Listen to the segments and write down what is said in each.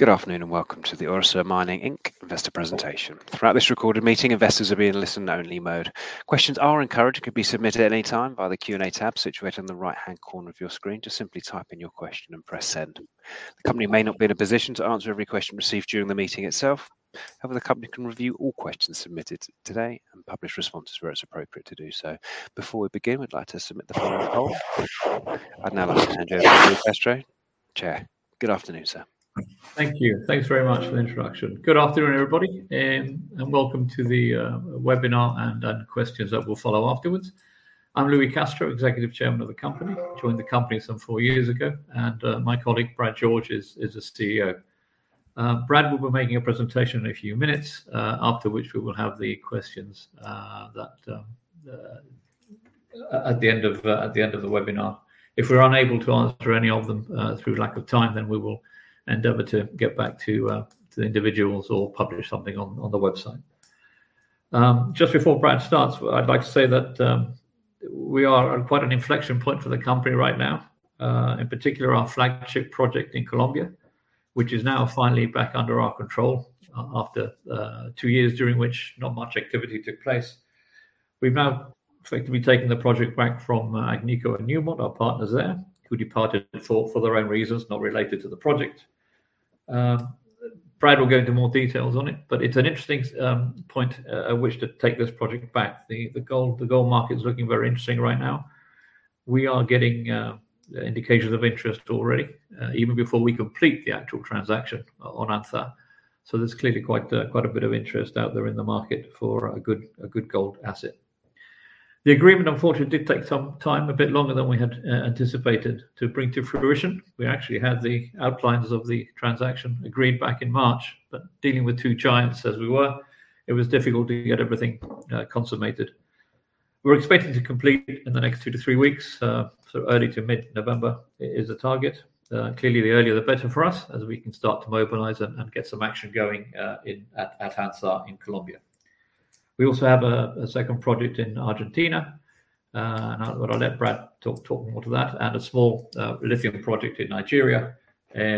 Good afternoon and welcome to the Orosur Mining Inc. investor presentation. Throughout this recorded meeting, investors will be in listen only mode. Questions are encouraged and can be submitted at any time by the Q&A tab situated in the right-hand corner of your screen. Just simply type in your question and press Send. The company may not be in a position to answer every question received during the meeting itself. However, the company can review all questions submitted today and publish responses where it's appropriate to do so. Before we begin, I'd like to submit the floor to Paul. I'd now like to hand over to Louis Castro, Chair. Good afternoon, sir. Thank you. Thanks very much for the introduction. Good afternoon, everybody, and welcome to the webinar and questions that will follow afterwards. I'm Louis Castro, Executive Chairman of the company. I joined the company some four years ago, and my colleague Brad George is the CEO. Brad will be making a presentation in a few minutes, after which we will have the questions at the end of the webinar. If we're unable to answer any of them through lack of time, then we will endeavor to get back to the individuals or publish something on the website. Just before Brad starts, what I'd like to say that we are at quite an inflection point for the company right now. In particular, our flagship project in Colombia, which is now finally back under our control after two years during which not much activity took place. We've now effectively taken the project back from Agnico and Newmont, our partners there, who departed for their own reasons, not related to the project. Brad will go into more details on it, but it's an interesting point at which to take this project back. The gold market's looking very interesting right now. We are getting indications of interest already, even before we complete the actual transaction on Anzá. There's clearly quite a bit of interest out there in the market for a good gold asset. The agreement, unfortunately, did take some time, a bit longer than we had anticipated, to bring to fruition. We actually had the outlines of the transaction agreed back in March. Dealing with two giants as we were, it was difficult to get everything consummated. We're expecting to complete in the next two to three weeks, so early to mid-November is the target. Clearly the earlier, the better for us, as we can start to mobilize and get some action going at Anzá in Colombia. We also have a second project in Argentina. I'll let Brad talk more to that. A small lithium project in Nigeria,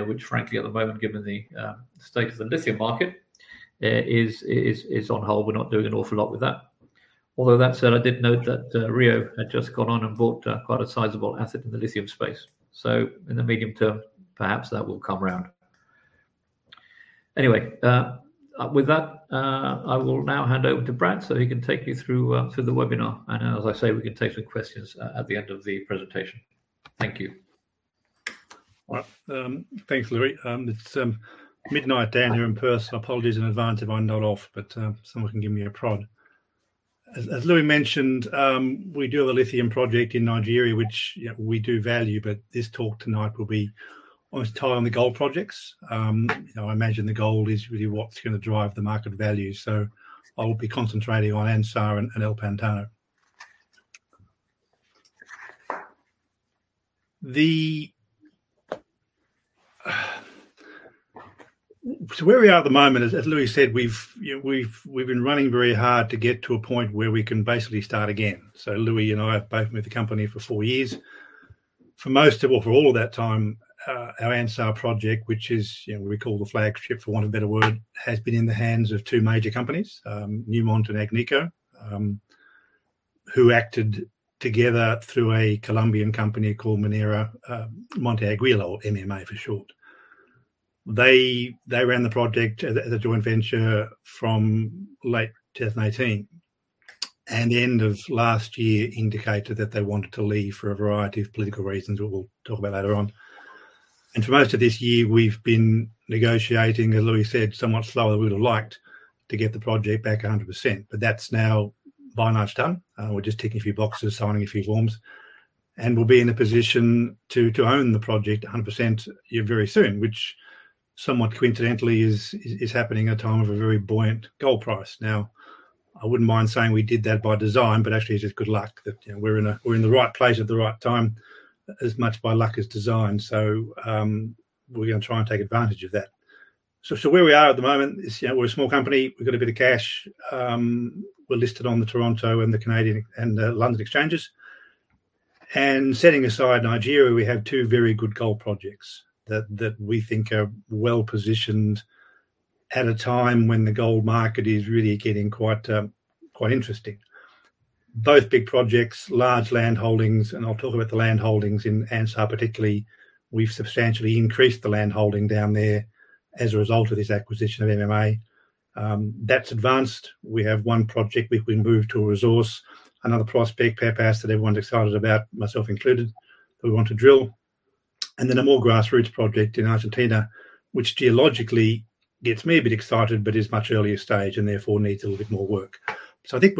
which frankly at the moment, given the state of the lithium market, is on hold. We're not doing an awful lot with that. Although that said, I did note that Rio had just gone on and bought quite a sizable asset in the lithium space. So in the medium term, perhaps that will come round. Anyway, with that, I will now hand over to Brad, so he can take you through the webinar. As I say, we can take some questions at the end of the presentation. Thank you. All right. Thanks, Luis. It's midnight down here in Perth, so apologies in advance if I nod off, but someone can give me a prod. As Luis mentioned, we do have a lithium project in Nigeria, which, you know, we do value, but this talk tonight will be almost entirely on the gold projects. You know, I imagine the gold is really what's gonna drive the market value. I'll be concentrating on Anzá and El Pantano. Where we are at the moment is, as Luis said, you know, we've been running very hard to get to a point where we can basically start again. Luis and I have both been with the company for four years. For most of, or for all of that time, our Anzá project, which is, you know, what we call the flagship, for want of a better word, has been in the hands of two major companies, Newmont and Agnico, who acted together through a Colombian company called Minera Monte Águila, or MMA for short. They ran the project as a joint venture from late 2018. The end of last year indicated that they wanted to leave for a variety of political reasons, which we'll talk about later on. For most of this year, we've been negotiating, as Luis said, somewhat slower than we would've liked, to get the project back 100%. That's now by and large done. We're just ticking a few boxes, signing a few forms, and we'll be in a position to own the project 100%, yeah, very soon, which somewhat coincidentally is happening at a time of a very buoyant gold price. Now, I wouldn't mind saying we did that by design, but actually it's just good luck that, you know, we're in the right place at the right time, as much by luck as design. We're gonna try and take advantage of that. Where we are at the moment is, you know, we're a small company. We've got a bit of cash. We're listed on the Toronto and the Canadian and the London exchanges. Setting aside Nigeria, we have two very good gold projects that we think are well-positioned at a time when the gold market is really getting quite interesting. Both big projects, large landholdings, and I'll talk about the landholdings in Anzá particularly. We've substantially increased the landholding down there as a result of this acquisition of MMA. That's advanced. We have one project which we moved to a resource. Another prospect, Pepas, that everyone's excited about, myself included, that we want to drill. Then a more grassroots project in Argentina, which geologically gets me a bit excited, but is much earlier stage and therefore needs a little bit more work. I think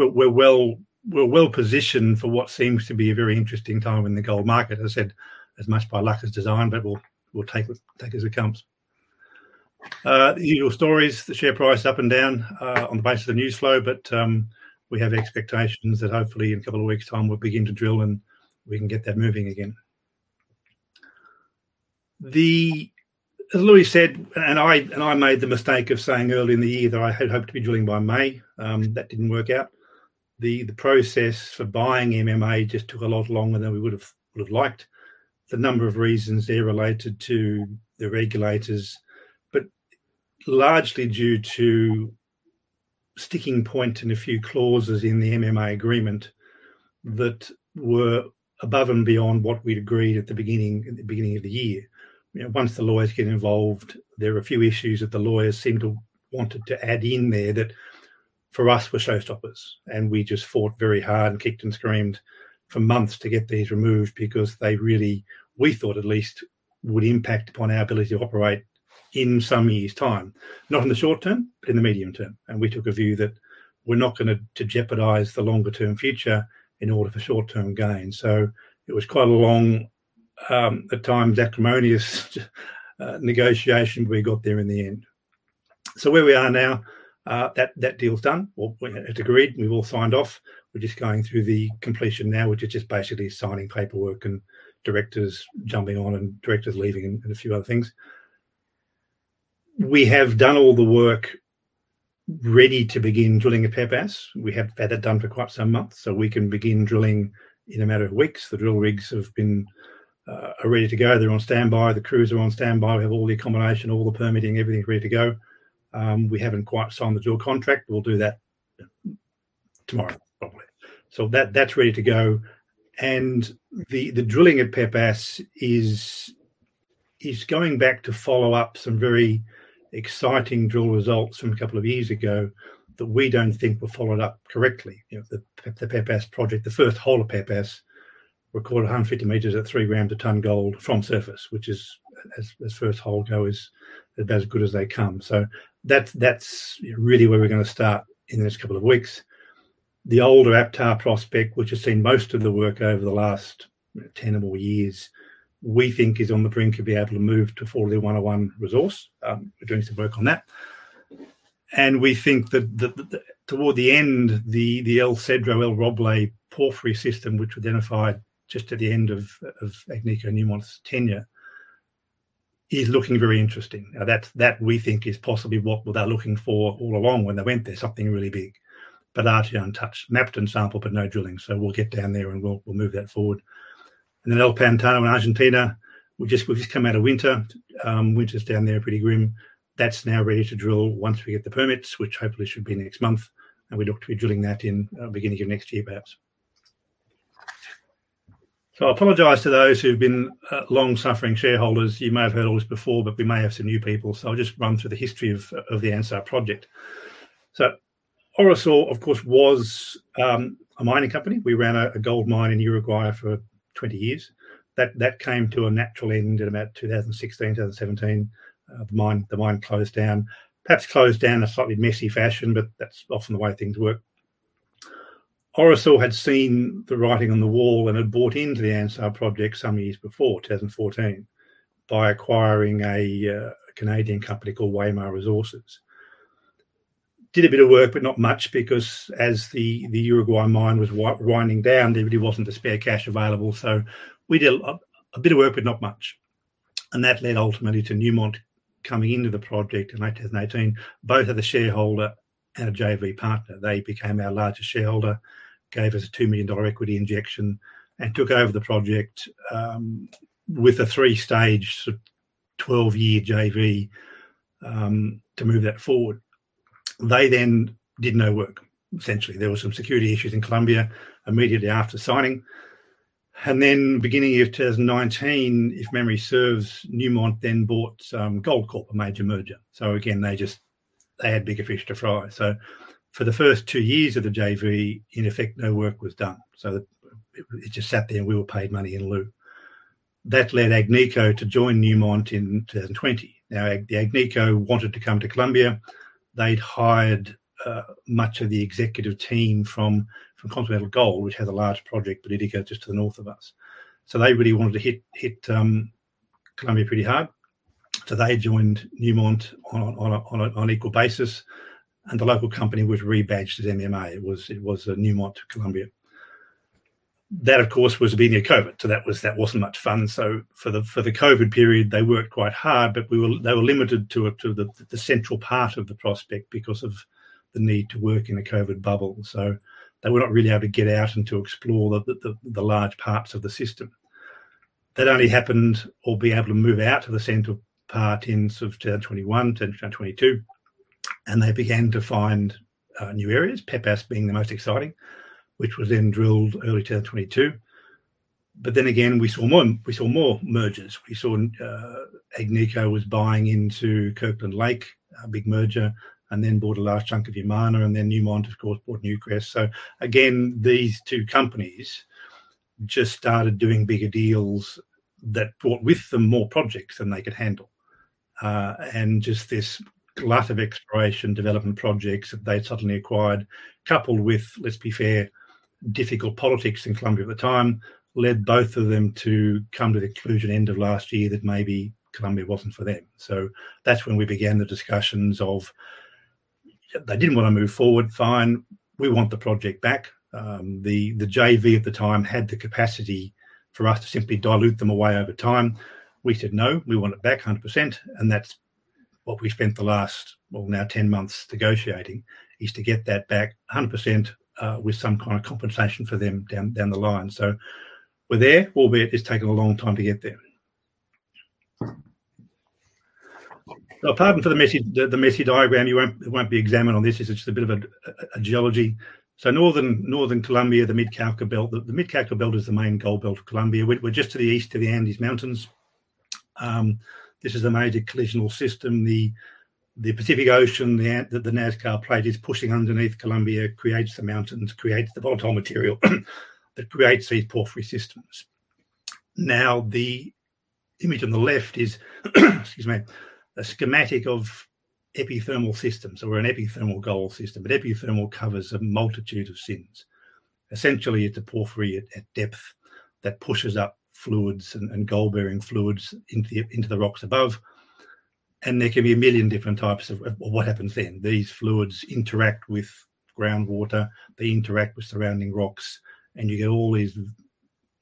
we're well-positioned for what seems to be a very interesting time in the gold market. As I said, as much by luck as design, but we'll take it as it comes. Your stories, the share price up and down on the basis of the news flow. We have expectations that hopefully in a couple of weeks' time we'll begin to drill and we can get that moving again. As Luis said, and I made the mistake of saying earlier in the year that I had hoped to be drilling by May. That didn't work out. The process for buying MMA just took a lot longer than we would've liked. For a number of reasons, they're related to the regulators. Largely due to a sticking point in a few clauses in the MMA agreement that were above and beyond what we'd agreed at the beginning of the year. You know, once the lawyers get involved, there are a few issues that the lawyers seemed to want to add in there that for us were showstoppers. We just fought very hard and kicked and screamed for months to get these removed because they really, we thought at least, would impact upon our ability to operate in some years' time. Not in the short term, but in the medium term. We took a view that we're not gonna to jeopardize the longer term future in order for short term gain. It was quite a long, at times acrimonious negotiation, but we got there in the end. Where we are now, that deal's done. It's agreed. We've all signed off. We're just going through the completion now, which is just basically signing paperwork and directors jumping on and directors leaving and a few other things. We have done all the work ready to begin drilling at Pepas. We have had it done for quite some months, so we can begin drilling in a matter of weeks. The drill rigs are ready to go. They're on standby. The crews are on standby. We have all the accommodation, all the permitting, everything ready to go. We haven't quite signed the drill contract. We'll do that tomorrow probably. That's ready to go. The drilling at Pepas is going back to follow up some very exciting drill results from a couple of years ago that we don't think were followed up correctly. You know, the Pepas project, the first hole at Pepas recorded 150m at 3 g/t gold from surface, which, as first holes go, is about as good as they come. That's really where we're gonna start in the next couple of weeks. The older APTA prospect, which has seen most of the work over the last 10 or more years, we think is on the brink of being able to move to NI 43-101 resource. We're doing some work on that. We think that toward the end, the El Cedro, El Roble porphyry system, which we identified just at the end of Agnico and Newmont's tenure, is looking very interesting. That we think is possibly what they were looking for all along when they went there, something really big. Largely untouched. Mapped and sampled, but no drilling. We'll get down there and we'll move that forward. El Pantano in Argentina, we've just come out of winter. Winter's down there pretty grim. That's now ready to drill once we get the permits, which hopefully should be next month. We look to be drilling that in beginning of next year perhaps. I apologize to those who've been long-suffering shareholders. You may have heard all this before, but we may have some new people, I'll just run through the history of the Anzá project. Orosur, of course, was a mining company. We ran a gold mine in Uruguay for 20 years. That came to a natural end in about 2016, 2017. The mine closed down. Perhaps closed down in a slightly messy fashion, but that's often the way things work. Orosur had seen the writing on the wall and had bought into the Anzá project some years before, 2014, by acquiring a Canadian company called Waymar Resources, did a bit of work, but not much because as the Uruguay mine was winding down, there really wasn't the spare cash available. We did a bit of work, but not much. That led ultimately to Newmont coming into the project in 2018, both as the shareholder and a JV partner. They became our largest shareholder, gave us a $2 million equity injection, and took over the project with a three-stage sort of 12-year JV to move that forward. They then did no work, essentially. There were some security issues in Colombia immediately after signing. Beginning of 2019, if memory serves, Newmont then bought Goldcorp, a major merger. Again, they just had bigger fish to fry. For the first two years of the JV, in effect, no work was done. It just sat there and we all paid money in lieu. That led Agnico to join Newmont in 2020. Now Agnico wanted to come to Colombia. They'd hired much of the executive team from Continental Gold, which had a large project, Buriticá, just to the north of us. They really wanted to hit Colombia pretty hard. They joined Newmont on an equal basis. The local company was rebadged as MMA. It was Newmont Colombia. That, of course, was the beginning of COVID. That wasn't much fun. For the COVID period, they worked quite hard, they were limited to the central part of the prospect because of the need to work in a COVID bubble. They were not really able to get out and to explore the large parts of the system. That only happened in sort of 2021, 2022. They began to find new areas, Pepas being the most exciting, which was then drilled early 2022. We saw more mergers. We saw Agnico was buying into Kirkland Lake, a big merger, and then bought a large chunk of Yamana, and then Newmont, of course, bought Newcrest. Again, these two companies just started doing bigger deals that brought with them more projects than they could handle. Just this glut of exploration development projects that they'd suddenly acquired, coupled with, let's be fair, difficult politics in Colombia at the time, led both of them to come to the conclusion end of last year that maybe Colombia wasn't for them. That's when we began the discussions of they didn't wanna move forward, fine, we want the project back. The JV at the time had the capacity for us to simply dilute them away over time. We said, "No, we want it back 100%." What we spent the last, well now, 10 months negotiating is to get that back 100%, with some kind of compensation for them down the line. We're there, albeit it's taken a long time to get there. Now, pardon for the messy diagram. You won't be examined on this. This is just a bit of geology. Northern Colombia, the Mid-Cauca Belt. The Mid-Cauca Belt is the main gold belt of Colombia. We're just to the east of the Andes Mountains. This is a major collisional system. The Pacific Ocean, the Nazca Plate is pushing underneath Colombia creates the mountains, creates the volatile material that creates these porphyry systems. Now, the image on the left is, excuse me, a schematic of epithermal systems or an epithermal gold system. Epithermal covers a multitude of sins. Essentially, it's a porphyry at depth that pushes up fluids and gold-bearing fluids into the rocks above. There can be a million different types of what happens then. These fluids interact with groundwater. They interact with surrounding rocks. You get all these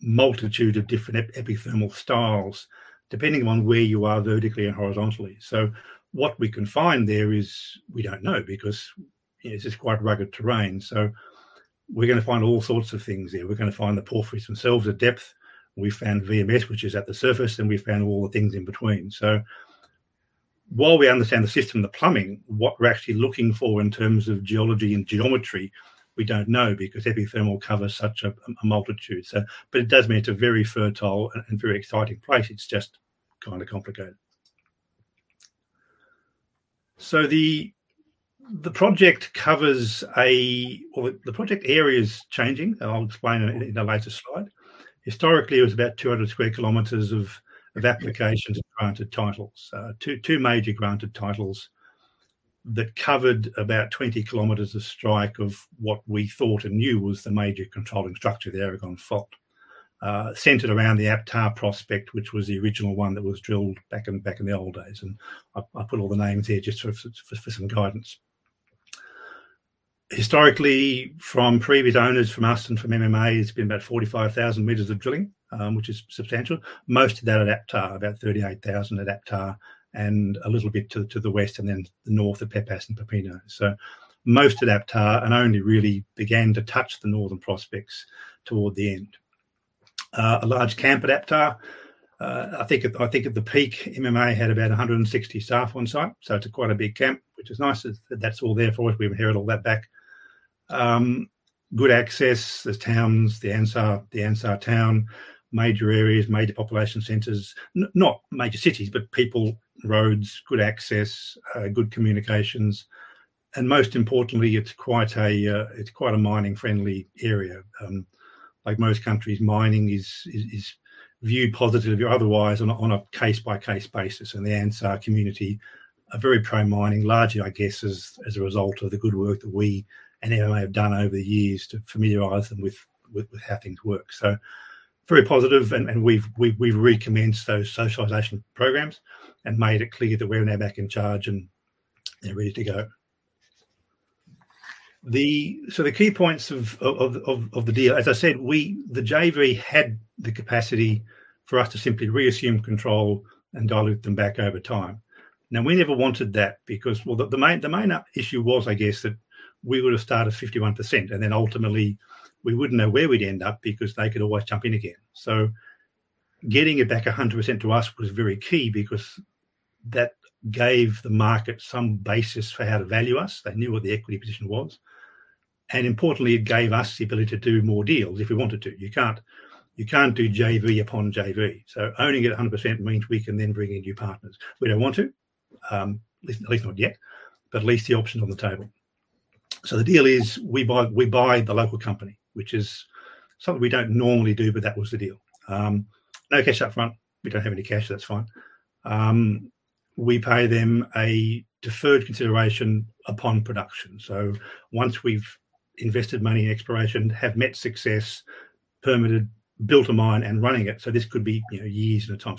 multitude of different epithermal styles depending on where you are vertically and horizontally. What we can find there is we don't know because it's just quite rugged terrain, so we're gonna find all sorts of things there. We're gonna find the porphyries themselves at depth. We found VMS, which is at the surface, and we found all the things in between. While we understand the system, the plumbing, what we're actually looking for in terms of geology and geometry, we don't know because epithermal covers such a multitude. It does mean it's a very fertile and very exciting place. It's just kinda complicated. The project covers a... The project area is changing, and I'll explain it in a later slide. Historically, it was about 200 sq km of applications of granted titles. Two major granted titles that covered about 20 km of strike, of what we thought and knew was the major controlling structure of the Aragon Fault, centered around the APTA prospect, which was the original one that was drilled back in the old days. I put all the names here just for some guidance. Historically, from previous owners, from us and from MMA, it's been about 45,000 m of drilling, which is substantial. Most of that at APTA. About 38,000 m at APTA, and a little bit to the west and then north of Pepas and Papela. Most at APTA, and only really began to touch the northern prospects toward the end. A large camp at APTA. I think at the peak, MMA had about 160 staff on site, so it's quite a big camp, which is nice, that's all there for if we inherit all that back. Good access. There's towns, the Anzá town. Major areas, major population centers. Not major cities, but people, roads, good access, good communications, and most importantly, it's quite a mining-friendly area. Like most countries, mining is viewed positively or otherwise on a case-by-case basis. The Anzá community are very pro-mining, largely, I guess, as a result of the good work that we and MMA have done over the years to familiarize them with how things work. Very positive and we've recommenced those socialization programs and made it clear that we're now back in charge, and they're ready to go. The key points of the deal. As I said, the JV had the capacity for us to simply reassume control and dilute them back over time. Now, we never wanted that because, well, the main issue was, I guess, that we would've started 51%, and then ultimately we wouldn't know where we'd end up because they could always jump in again. Getting it back 100% to us was very key because that gave the market some basis for how to value us. They knew what the equity position was. Importantly, it gave us the ability to do more deals if we wanted to. You can't do JV upon JV. Owning it 100% means we can then bring in new partners. We don't want to, at least not yet, but at least the option's on the table. The deal is we buy the local company, which is something we don't normally do, but that was the deal. No cash up front. We don't have any cash. That's fine. We pay them a deferred consideration upon production. Once we've invested money in exploration, have met success, permitted, built a mine, and running it. This could be, you know, years at a time.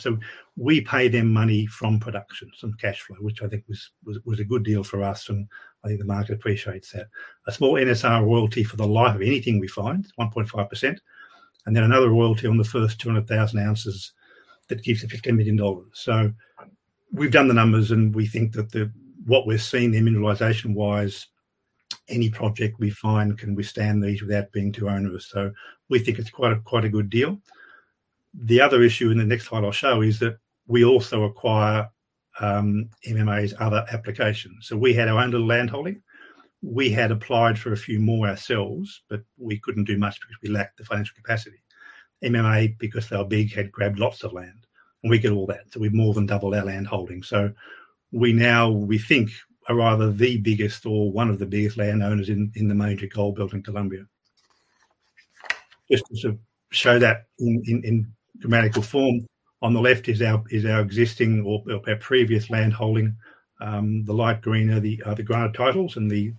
We pay them money from production, some cash flow, which I think was a good deal for us, and I think the market appreciates that. A small NSR royalty for the life of anything we find, 1.5%, and then another royalty on the first 200,000 ounces that gives us $15 million. We've done the numbers, and we think that the, what we're seeing there mineralization-wise, any project we find can withstand these without being too onerous. We think it's quite a good deal. The other issue in the next slide I'll show is that we also acquire MMA's other applications. We had our own little land holding. We had applied for a few more ourselves, but we couldn't do much because we lacked the financial capacity. MMA, because they were big, had grabbed lots of land, and we get all that, so we've more than doubled our land holdings. We now, we think, are either the biggest or one of the biggest landowners in the major gold belt in Colombia. Just to show that in graphical form, on the left is our existing or our previous land holding. The light green are the granted titles and the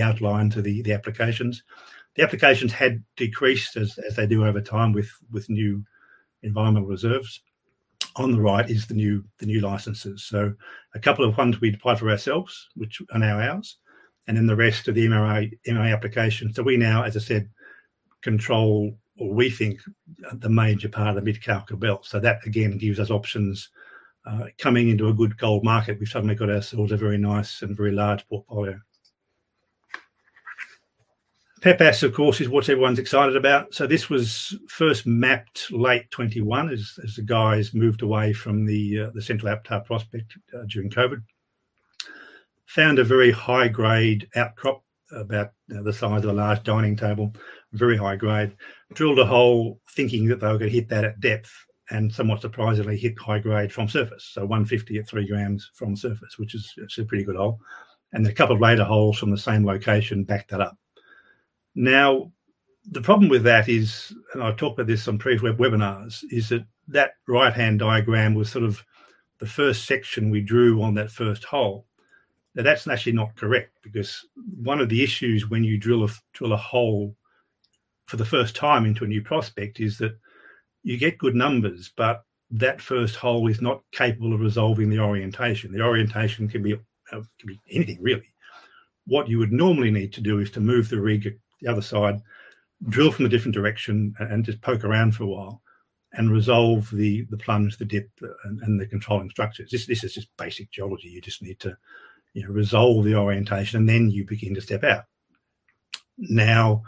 outlines are the applications. The applications had decreased as they do over time with new environmental reserves. On the right is the new licenses. A couple of ones we applied for ourselves, which are now ours, and then the rest are the MMA applications. We now control, or we think, the major part of the Mid-Cauca Belt. That again gives us options coming into a good gold market. We've suddenly got ourselves a very nice and very large portfolio. Pepas, of course, is what everyone's excited about. This was first mapped late 2021 as the guys moved away from the central APTA prospect during COVID. Found a very high grade outcrop about the size of a large dining table, very high grade. Drilled a hole thinking that they were gonna hit that at depth, and somewhat surprisingly hit high grade from surface. 150 at 3 grams from surface, which is, it's a pretty good hole. A couple of later holes from the same location backed that up. Now, the problem with that is, and I've talked about this on previous webinars, is that that right-hand diagram was sort of the first section we drew on that first hole. Now, that's actually not correct because one of the issues when you drill a hole for the first time into a new prospect is that you get good numbers, but that first hole is not capable of resolving the orientation. The orientation can be anything really. What you would normally need to do is to move the rig at the other side, drill from a different direction and just poke around for a while and resolve the plunge, the depth, and the controlling structures. This is just basic geology. You just need to, you know, resolve the orientation, and then you begin to step out. Now,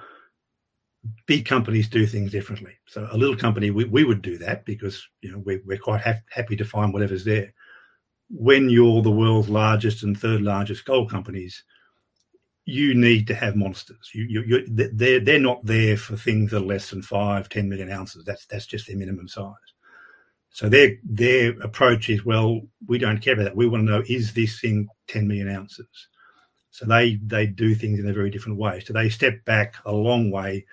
big companies do things differently. A little company, we would do that because, you know, we're quite happy to find whatever's there. When you're the world's largest and third largest gold companies, you need to have monsters. You they're not there for things that are less than 5, 10 million ounces. That's just their minimum size. So their approach is, "Well, we don't care about that. We wanna know, is this thing 10 million ounces?" So they do things in a very different way. So they step back a long way,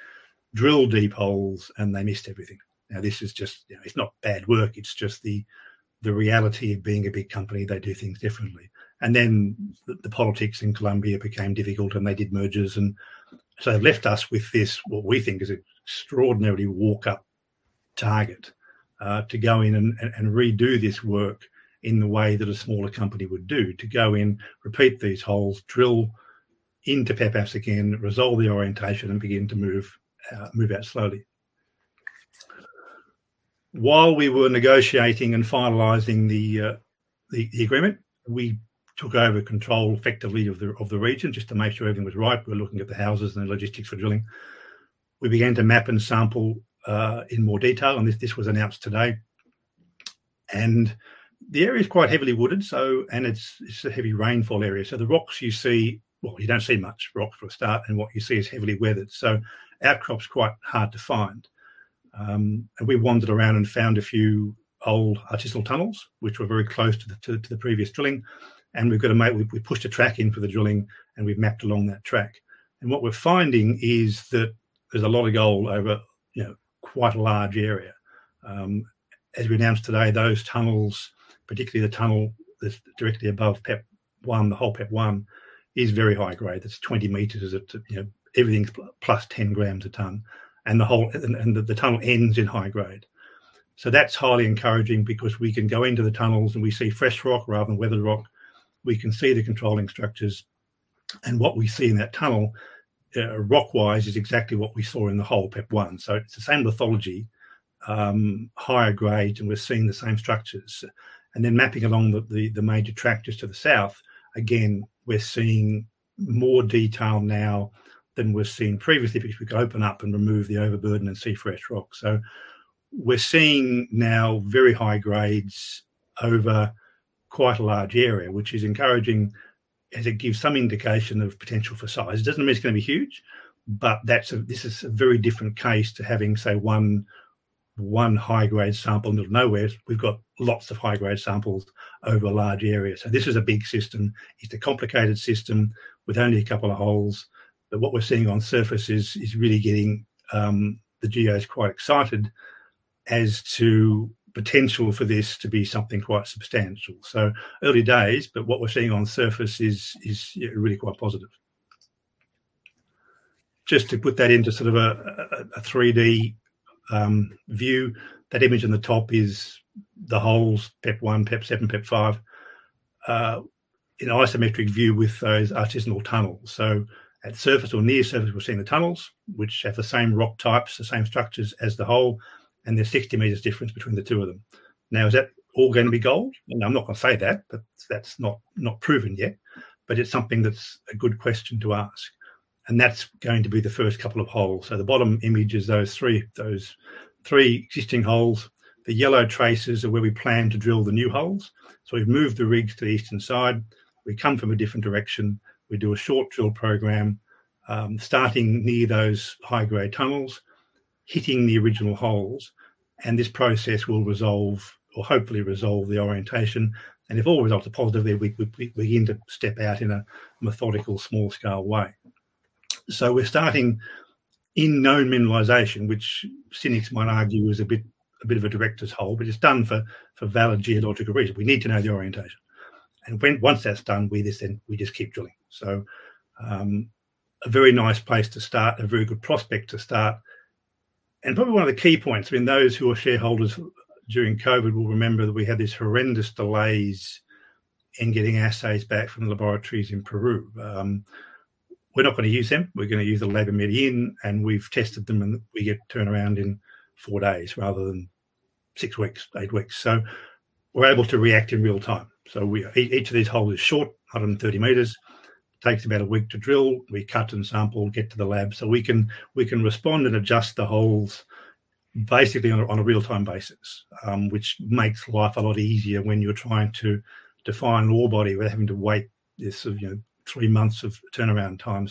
drill deep holes, and they missed everything. Now this is just you know, it's not bad work, it's just the reality of being a big company. They do things differently. The politics in Colombia became difficult, and they did mergers and They've left us with this, what we think is an extraordinarily walk up target, to go in and redo this work in the way that a smaller company would do. To go in, repeat these holes, drill into Pepas again, resolve the orientation, and begin to move out slowly. While we were negotiating and finalizing the agreement, we took over control effectively of the region just to make sure everything was right. We were looking at the outcrops and the logistics for drilling. We began to map and sample in more detail, and this was announced today. The area is quite heavily wooded, so and it's a heavy rainfall area. The rocks you see, well, you don't see much rock for a start, and what you see is heavily weathered. Outcrop's quite hard to find. We wandered around and found a few old artisanal tunnels, which were very close to the previous drilling. We pushed a track in for the drilling, and we've mapped along that track. What we're finding is that there's a lot of gold over, you know, quite a large area. As we announced today, those tunnels, particularly the tunnel that's directly above PEP-001, the whole PEP-001, is very high grade. It's 20 meters. You know, everything's +10 grams a ton. The tunnel ends in high grade. That's highly encouraging because we can go into the tunnels and we see fresh rock rather than weathered rock. We can see the controlling structures. What we see in that tunnel, rock-wise, is exactly what we saw in the hole PEP one. It's the same lithology, higher grade, and we're seeing the same structures. Then mapping along the major structure just to the south, again, we're seeing more detail now than we've seen previously, because we can open up and remove the overburden and see fresh rock. We're seeing now very high grades over quite a large area, which is encouraging as it gives some indication of potential for size. It doesn't mean it's gonna be huge, but that's a very different case to having, say, one high grade sample in the middle of nowhere. We've got lots of high grade samples over a large area. This is a big system. It's a complicated system with only a couple of holes. What we're seeing on surface is really getting the geos quite excited as to potential for this to be something quite substantial. Early days, but what we're seeing on surface is you know really quite positive. Just to put that into sort of a 3D view, that image on the top is the holes, PEP-001, PEP-007, PEP-005 in isometric view with those artisanal tunnels. At surface or near surface, we're seeing the tunnels, which have the same rock types, the same structures as the hole, and there's 60 meters difference between the two of them. Now, is that all gonna be gold? No, I'm not gonna say that. That's not proven yet, but it's something that's a good question to ask. That's going to be the first couple of holes. The bottom image is those three existing holes. The yellow traces are where we plan to drill the new holes. We've moved the rigs to the eastern side. We come from a different direction. We do a short drill program, starting near those high-grade tunnels, hitting the original holes, and this process will resolve or hopefully resolve the orientation. If all results are positive there, we begin to step out in a methodical small-scale way. We're starting in known mineralization, which cynics might argue is a bit of a director's hole, but it's done for valid geological reasons. We need to know the orientation. Once that's done, we just keep drilling. A very nice place to start, a very good prospect to start. Probably one of the key points, I mean, those who are shareholders during COVID will remember that we had these horrendous delays in getting assays back from laboratories in Peru. We're not gonna use them. We're gonna use the LabMed in, and we've tested them, and we get turnaround in 4 days rather than 6 weeks, 8 weeks. We're able to react in real time. Each of these holes is short, 130 meters, takes about a week to drill. We cut and sample, get to the lab. We can respond and adjust the holes basically on a real-time basis, which makes life a lot easier when you're trying to define ore body without having to wait this, you know, three months of turnaround time.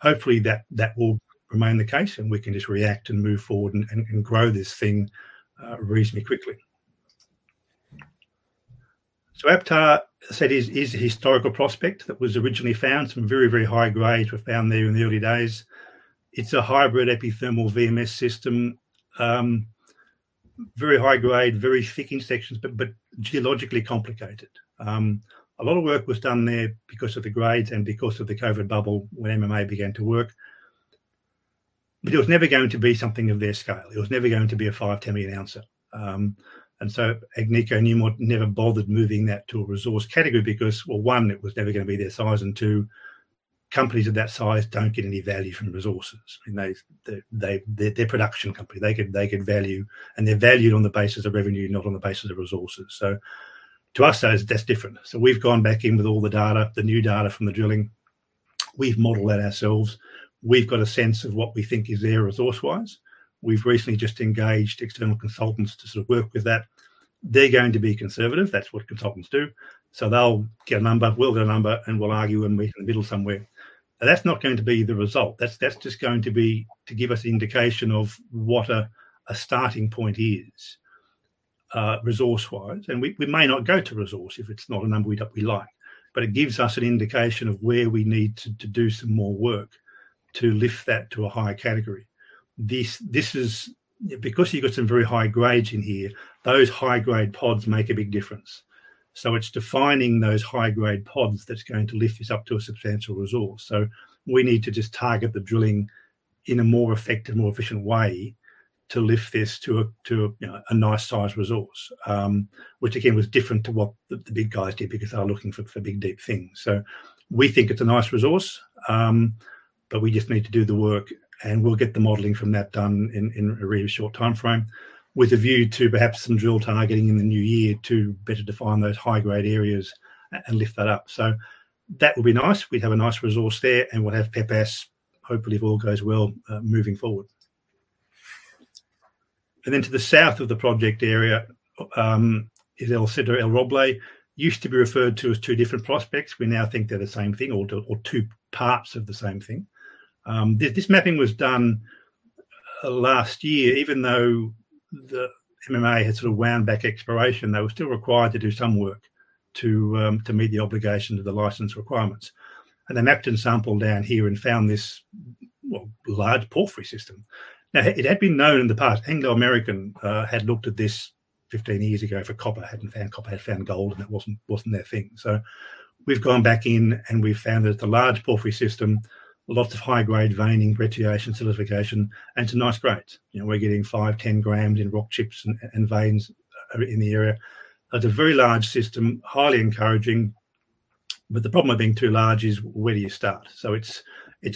Hopefully, that will remain the case, and we can just react and move forward and grow this thing reasonably quickly. APTA, I said, is a historical prospect that was originally found. Some very high grades were found there in the early days. It's a hybrid epithermal VMS system. Very high grade, very thick in sections, but geologically complicated. A lot of work was done there because of the grades and because of the COVID bubble when MMA began to work. But it was never going to be something of their scale. It was never going to be a 5 million ounce-10 million ounce. Agnico Eagle never bothered moving that to a resource category because, well, one, it was never gonna be their size, and two, companies of that size don't get any value from resources. I mean, they're a production company. They get value, and they're valued on the basis of revenue, not on the basis of resources. To us, that's different. We've gone back in with all the data, the new data from the drilling. We've modeled that ourselves. We've got a sense of what we think is there resource-wise. We've recently just engaged external consultants to sort of work with that. They're going to be conservative. That's what consultants do. They'll get a number. We'll get a number, and we'll argue, and meet in the middle somewhere. That's not going to be the result. That's just going to be to give us indication of what a starting point is, resource-wise. We may not go to resource if it's not a number we don't like. It gives us an indication of where we need to do some more work to lift that to a higher category. This is because you've got some very high grades in here, those high-grade pods make a big difference. It's defining those high-grade pods that's going to lift this up to a substantial resource. We need to just target the drilling in a more effective, more efficient way to lift this to a you know, a nice sized resource, which again was different to what the big guys did because they were looking for big, deep things. We think it's a nice resource, but we just need to do the work, and we'll get the modeling from that done in a really short timeframe with a view to perhaps some drill targeting in the new year to better define those high-grade areas and lift that up. That will be nice. We'd have a nice resource there, and we'll have Pepas hopefully, if all goes well, moving forward. Then to the south of the project area is El Cedro/El Roble. Used to be referred to as two different prospects. We now think they're the same thing or two parts of the same thing. This mapping was done last year. Even though the MMA had sort of wound back exploration, they were still required to do some work to meet the obligation of the license requirements. They mapped and sampled down here and found this, well, large porphyry system. It had been known in the past. Anglo American had looked at this 15 years ago for copper, hadn't found copper, had found gold, and it wasn't their thing. We've gone back in, and we've found that it's a large porphyry system, lots of high-grade veining, reticulation, silicification, and to nice grades. You know, we're getting 5, 10 grams in rock chips and veins in the area. It's a very large system, highly encouraging, but the problem with being too large is where do you start? It's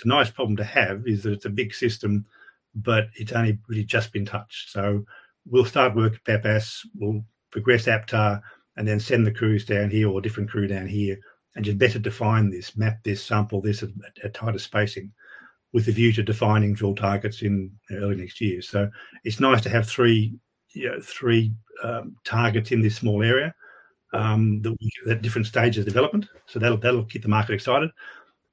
a nice problem to have that it's a big system, but it's only really just been touched. We'll start work at Pepas. We'll progress APTA and then send the crews down here or a different crew down here and just better define this, map this, sample this at tighter spacing with a view to defining drill targets in early next year. It's nice to have three, you know, targets in this small area that we at different stages of development. That'll keep the market excited.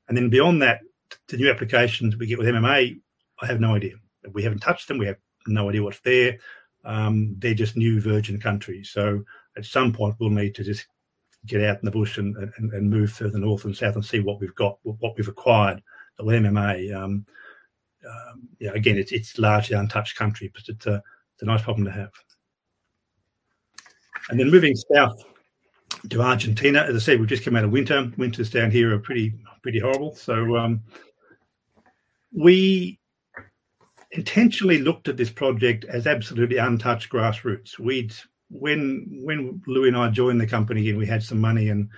Beyond that, the new applications we get with MMA, I have no idea. We haven't touched them. We have no idea what's there. They're just new virgin countries. At some point, we'll need to just get out in the bush and move further north and south and see what we've got, what we've acquired with MMA. You know, again, it's largely untouched country, but it's a nice problem to have. Moving south to Argentina. As I said, we've just come out of winter. Winters down here are pretty horrible. We intentionally looked at this project as absolutely untouched grassroots. When Luis and I joined the company and we had some money and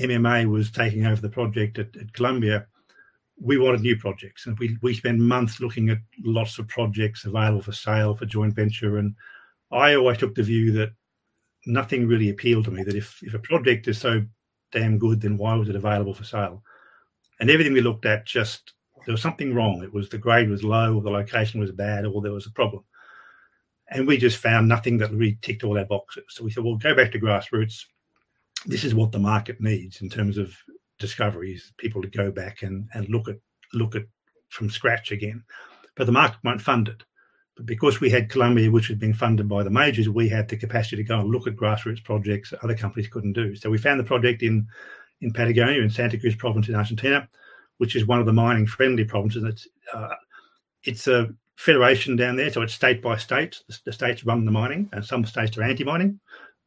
MMA was taking over the project at Colombia, we wanted new projects. We spent months looking at lots of projects available for sale, for joint venture, and I always took the view that nothing really appealed to me, that if a project is so damn good, then why was it available for sale? Everything we looked at just, there was something wrong. It was the grade was low, or the location was bad, or there was a problem. We just found nothing that really ticked all our boxes. We said, "Well, go back to grassroots." This is what the market needs in terms of discoveries, people to go back and look at from scratch again. The market won't fund it. Because we had Colombia, which had been funded by the majors, we had the capacity to go and look at grassroots projects other companies couldn't do. We found a project in Patagonia, in Santa Cruz province in Argentina, which is one of the mining-friendly provinces. It's a federation down there, so it's state by state. The states run the mining. Some states are anti-mining.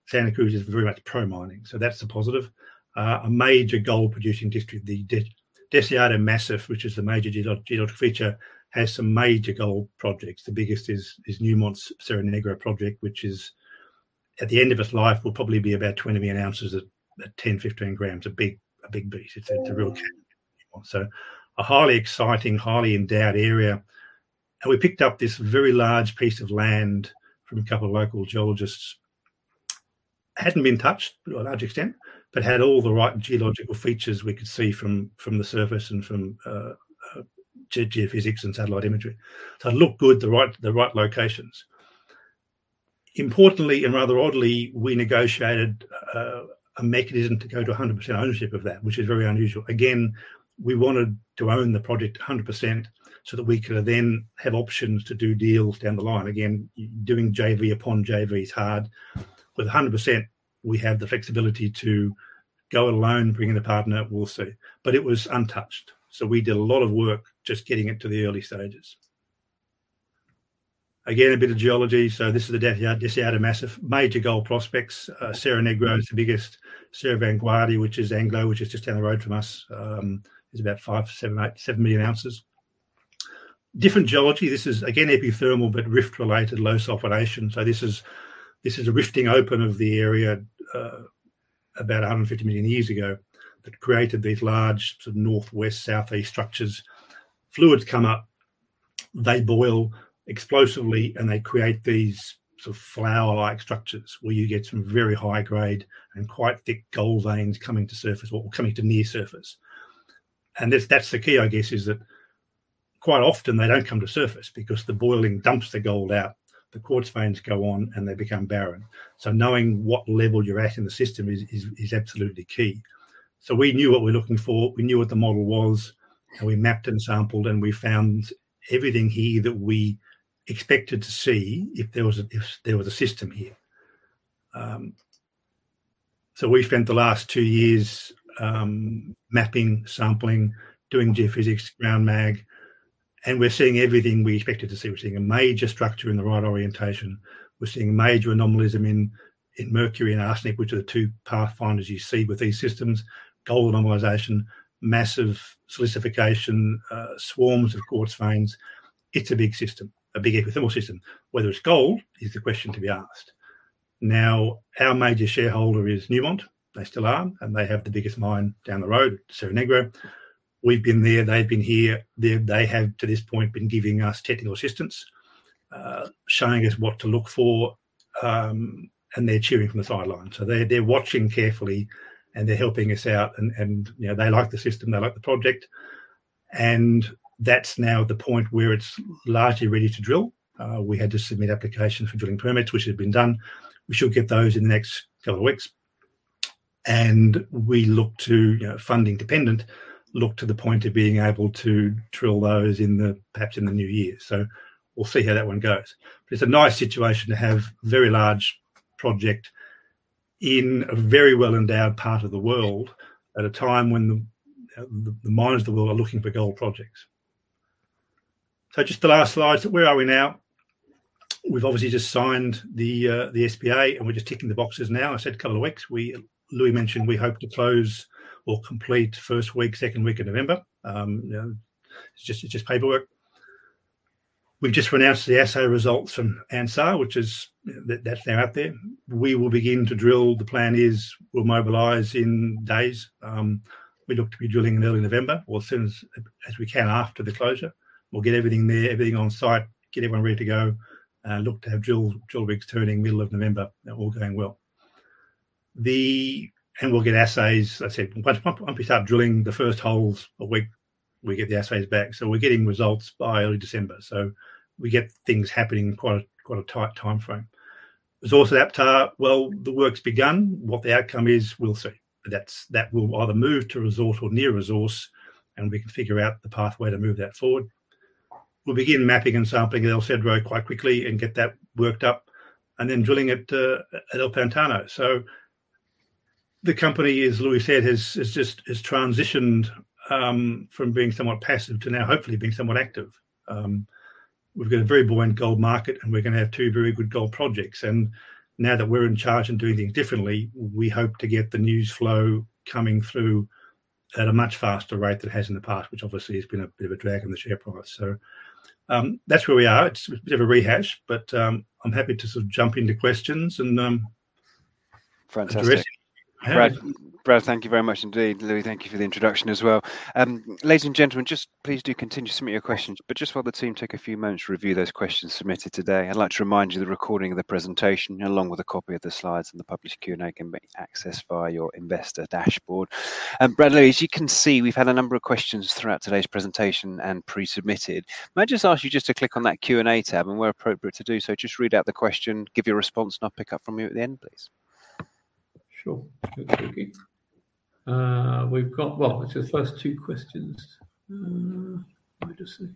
Santa Cruz is very much pro-mining. That's a positive. A major gold producing district, the Deseado Massif, which is the major geological feature, has some major gold projects. The biggest is Newmont's Cerro Negro project, which is at the end of its life, will probably be about 20 million ounces at 10-15 grams. A big beast. It's real, a highly exciting, highly endowed area. We picked up this very large piece of land from a couple of local geologists. Hadn't been touched to a large extent, but had all the right geological features we could see from the surface and from geophysics and satellite imagery. It looked good, the right locations. Importantly, and rather oddly, we negotiated a mechanism to go to 100% ownership of that, which is very unusual. Again, we wanted to own the project 100% so that we could then have options to do deals down the line. Again, doing JV upon JV is hard. With 100%, we have the flexibility to go it alone, bring in a partner, we'll see. But it was untouched. So we did a lot of work just getting it to the early stages. Again, a bit of geology. So this is the Deseado Massif. Major gold prospects. Cerro Negro is the biggest. Cerro Vanguardia, which is Anglo, which is just down the road from us, is about 5,787 million ounces. Different geology. This is again, epithermal, but rift-related low sulfidation. So this is a rifting open of the area, about 150 million years ago that created these large sort of northwest/southeast structures. Fluids come up, they boil explosively, and they create these sort of flower-like structures where you get some very high grade and quite thick gold veins coming to surface or coming to near surface. That's the key, I guess, is that quite often they don't come to surface because the boiling dumps the gold out. The quartz veins go on, and they become barren. Knowing what level you're at in the system is absolutely key. We knew what we were looking for. We knew what the model was, and we mapped and sampled, and we found everything here that we expected to see if there was a system here. We've spent the last two years mapping, sampling, doing geophysics, ground mag, and we're seeing everything we expected to see. We're seeing a major structure in the right orientation. We're seeing major anomalies in mercury and arsenic, which are the two pathfinders you see with these systems. Gold anomalies, massive silicification, swarms of quartz veins. It's a big system, a big epithermal system. Whether it's gold is the question to be asked. Now, our major shareholder is Newmont. They still are, and they have the biggest mine down the road, Cerro Negro. We've been there. They've been here. They have to this point, been giving us technical assistance, showing us what to look for, and they're cheering from the sidelines. They, they're watching carefully, and they're helping us out and, you know, they like the system, they like the project. That's now at the point where it's largely ready to drill. We had to submit applications for drilling permits, which have been done. We should get those in the next couple of weeks. We look to, you know, funding dependent, the point of being able to drill those in the, perhaps in the new year. We'll see how that one goes. It's a nice situation to have very large project in a very well-endowed part of the world at a time when the miners of the world are looking for gold projects. Just the last slides. Where are we now? We've obviously just signed the SPA, and we're just ticking the boxes now. I said a couple of weeks. We, Luis mentioned we hope to close or complete first week, second week of November. You know, it's just paperwork. We've just announced the assay results from Anzá, which is that's now out there. We will begin to drill. The plan is we'll mobilize in days. We look to be drilling in early November or as soon as we can after the closure. We'll get everything there, everything on site, get everyone ready to go, look to have drill rigs turning middle of November, that all going well. We'll get assays. I said, once we start drilling the first holes, in a week we get the assays back. We're getting results by early December. We get things happening in quite a tight timeframe. Resource at APTA, well, the work's begun. What the outcome is, we'll see. That's, that will either move to resource or near resource, and we can figure out the pathway to move that forward. We'll begin mapping and sampling at El Cedro quite quickly and get that worked up, and then drilling at El Pantano. The company, as Louis said, has just transitioned from being somewhat passive to now hopefully being somewhat active. We've got a very buoyant gold market, and we're gonna have two very good gold projects. Now that we're in charge and doing things differently, we hope to get the news flow coming through at a much faster rate than it has in the past, which obviously has been a bit of a drag on the share price. That's where we are. It's a bit of a rehash, but I'm happy to sort of jump into questions and Fantastic. Address. Brad, thank you very much indeed. Louis, thank you for the introduction as well. Ladies and gentlemen, just please do continue to submit your questions. Just while the team take a few moments to review those questions submitted today, I'd like to remind you the recording of the presentation, along with a copy of the slides and the published Q&A, can be accessed via your investor dashboard. Brad and Louis, as you can see, we've had a number of questions throughout today's presentation and pre-submitted. May I just ask you just to click on that Q&A tab, and where appropriate to do so, just read out the question, give your response, and I'll pick up from you at the end, please. Sure. Thanks, Ricky. We've got, well, it's the first two questions. Let me just see.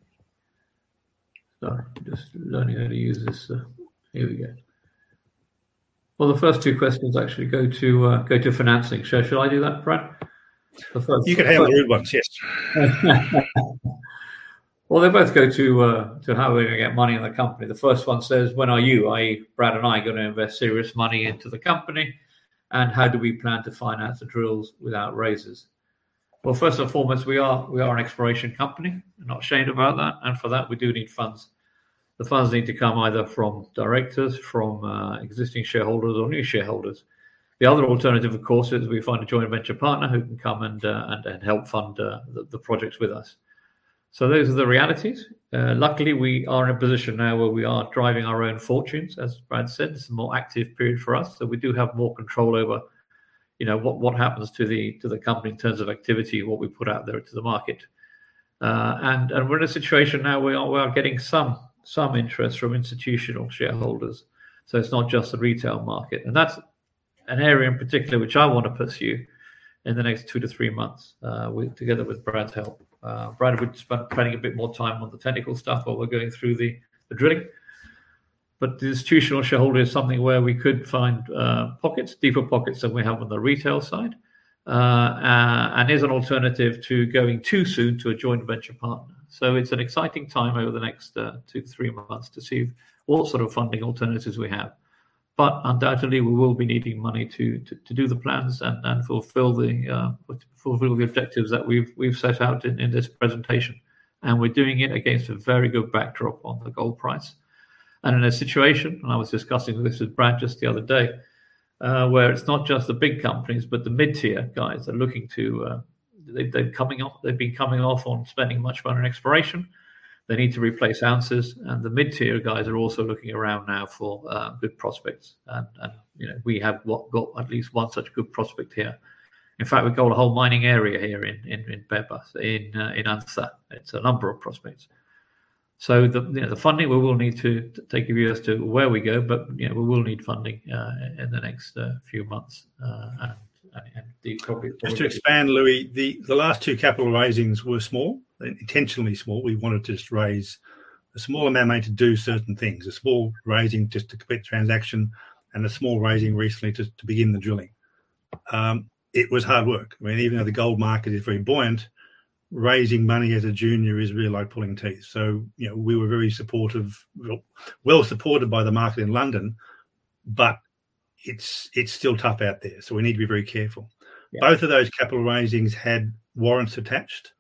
Sorry, I'm just learning how to use this. Here we go. Well, the first two questions actually go to financing. Shall I do that, Brad? The first- You can handle the hard ones. Yes. Well, they both go to how we're gonna get money in the company. The first one says, "When are you," i.e., Brad and I, "gonna invest serious money into the company? And how do we plan to finance the drills without raises?" Well, first and foremost, we are an exploration company. We're not ashamed about that. For that, we do need funds. The funds need to come either from directors, from existing shareholders or new shareholders. The other alternative, of course, is we find a joint venture partner who can come and help fund the projects with us. Those are the realities. Luckily, we are in a position now where we are driving our own fortunes, as Brad said. It's a more active period for us, so we do have more control over, you know, what happens to the company in terms of activity, what we put out there to the market. We're in a situation now where we are getting some interest from institutional shareholders, so it's not just the retail market. That's an area in particular which I wanna pursue in the next two to three months, together with Brad's help. Brad will be spending a bit more time on the technical stuff while we're going through the drilling. The institutional shareholder is something where we could find pockets, deeper pockets than we have on the retail side. It is an alternative to going too soon to a joint venture partner. It's an exciting time over the next two to three months to see what sort of funding alternatives we have. Undoubtedly, we will be needing money to do the plans and fulfill the objectives that we've set out in this presentation. We're doing it against a very good backdrop on the gold price. In a situation, I was discussing this with Brad just the other day, where it's not just the big companies, but the mid-tier guys are looking to spend much more on exploration. They need to replace ounces, and the mid-tier guys are also looking around now for good prospects. You know, we've got at least one such good prospect here. In fact, we've got a whole mining area here in Pepas, in Anzá. It's a number of prospects. You know, the funding we will need to take a view as to where we go, but you know, we will need funding in the next few months. And the copy- Just to expand, Luis, the last two capital raisings were small, intentionally small. We wanted to just raise a small amount of money to do certain things. A small raising just to complete transaction, and a small raising recently to begin the drilling. It was hard work. I mean, even though the gold market is very buoyant, raising money as a junior is really like pulling teeth. You know, we were very supportive, well-supported by the market in London, but it's still tough out there, so we need to be very careful. Yeah. Both of those capital raisings had warrants attached.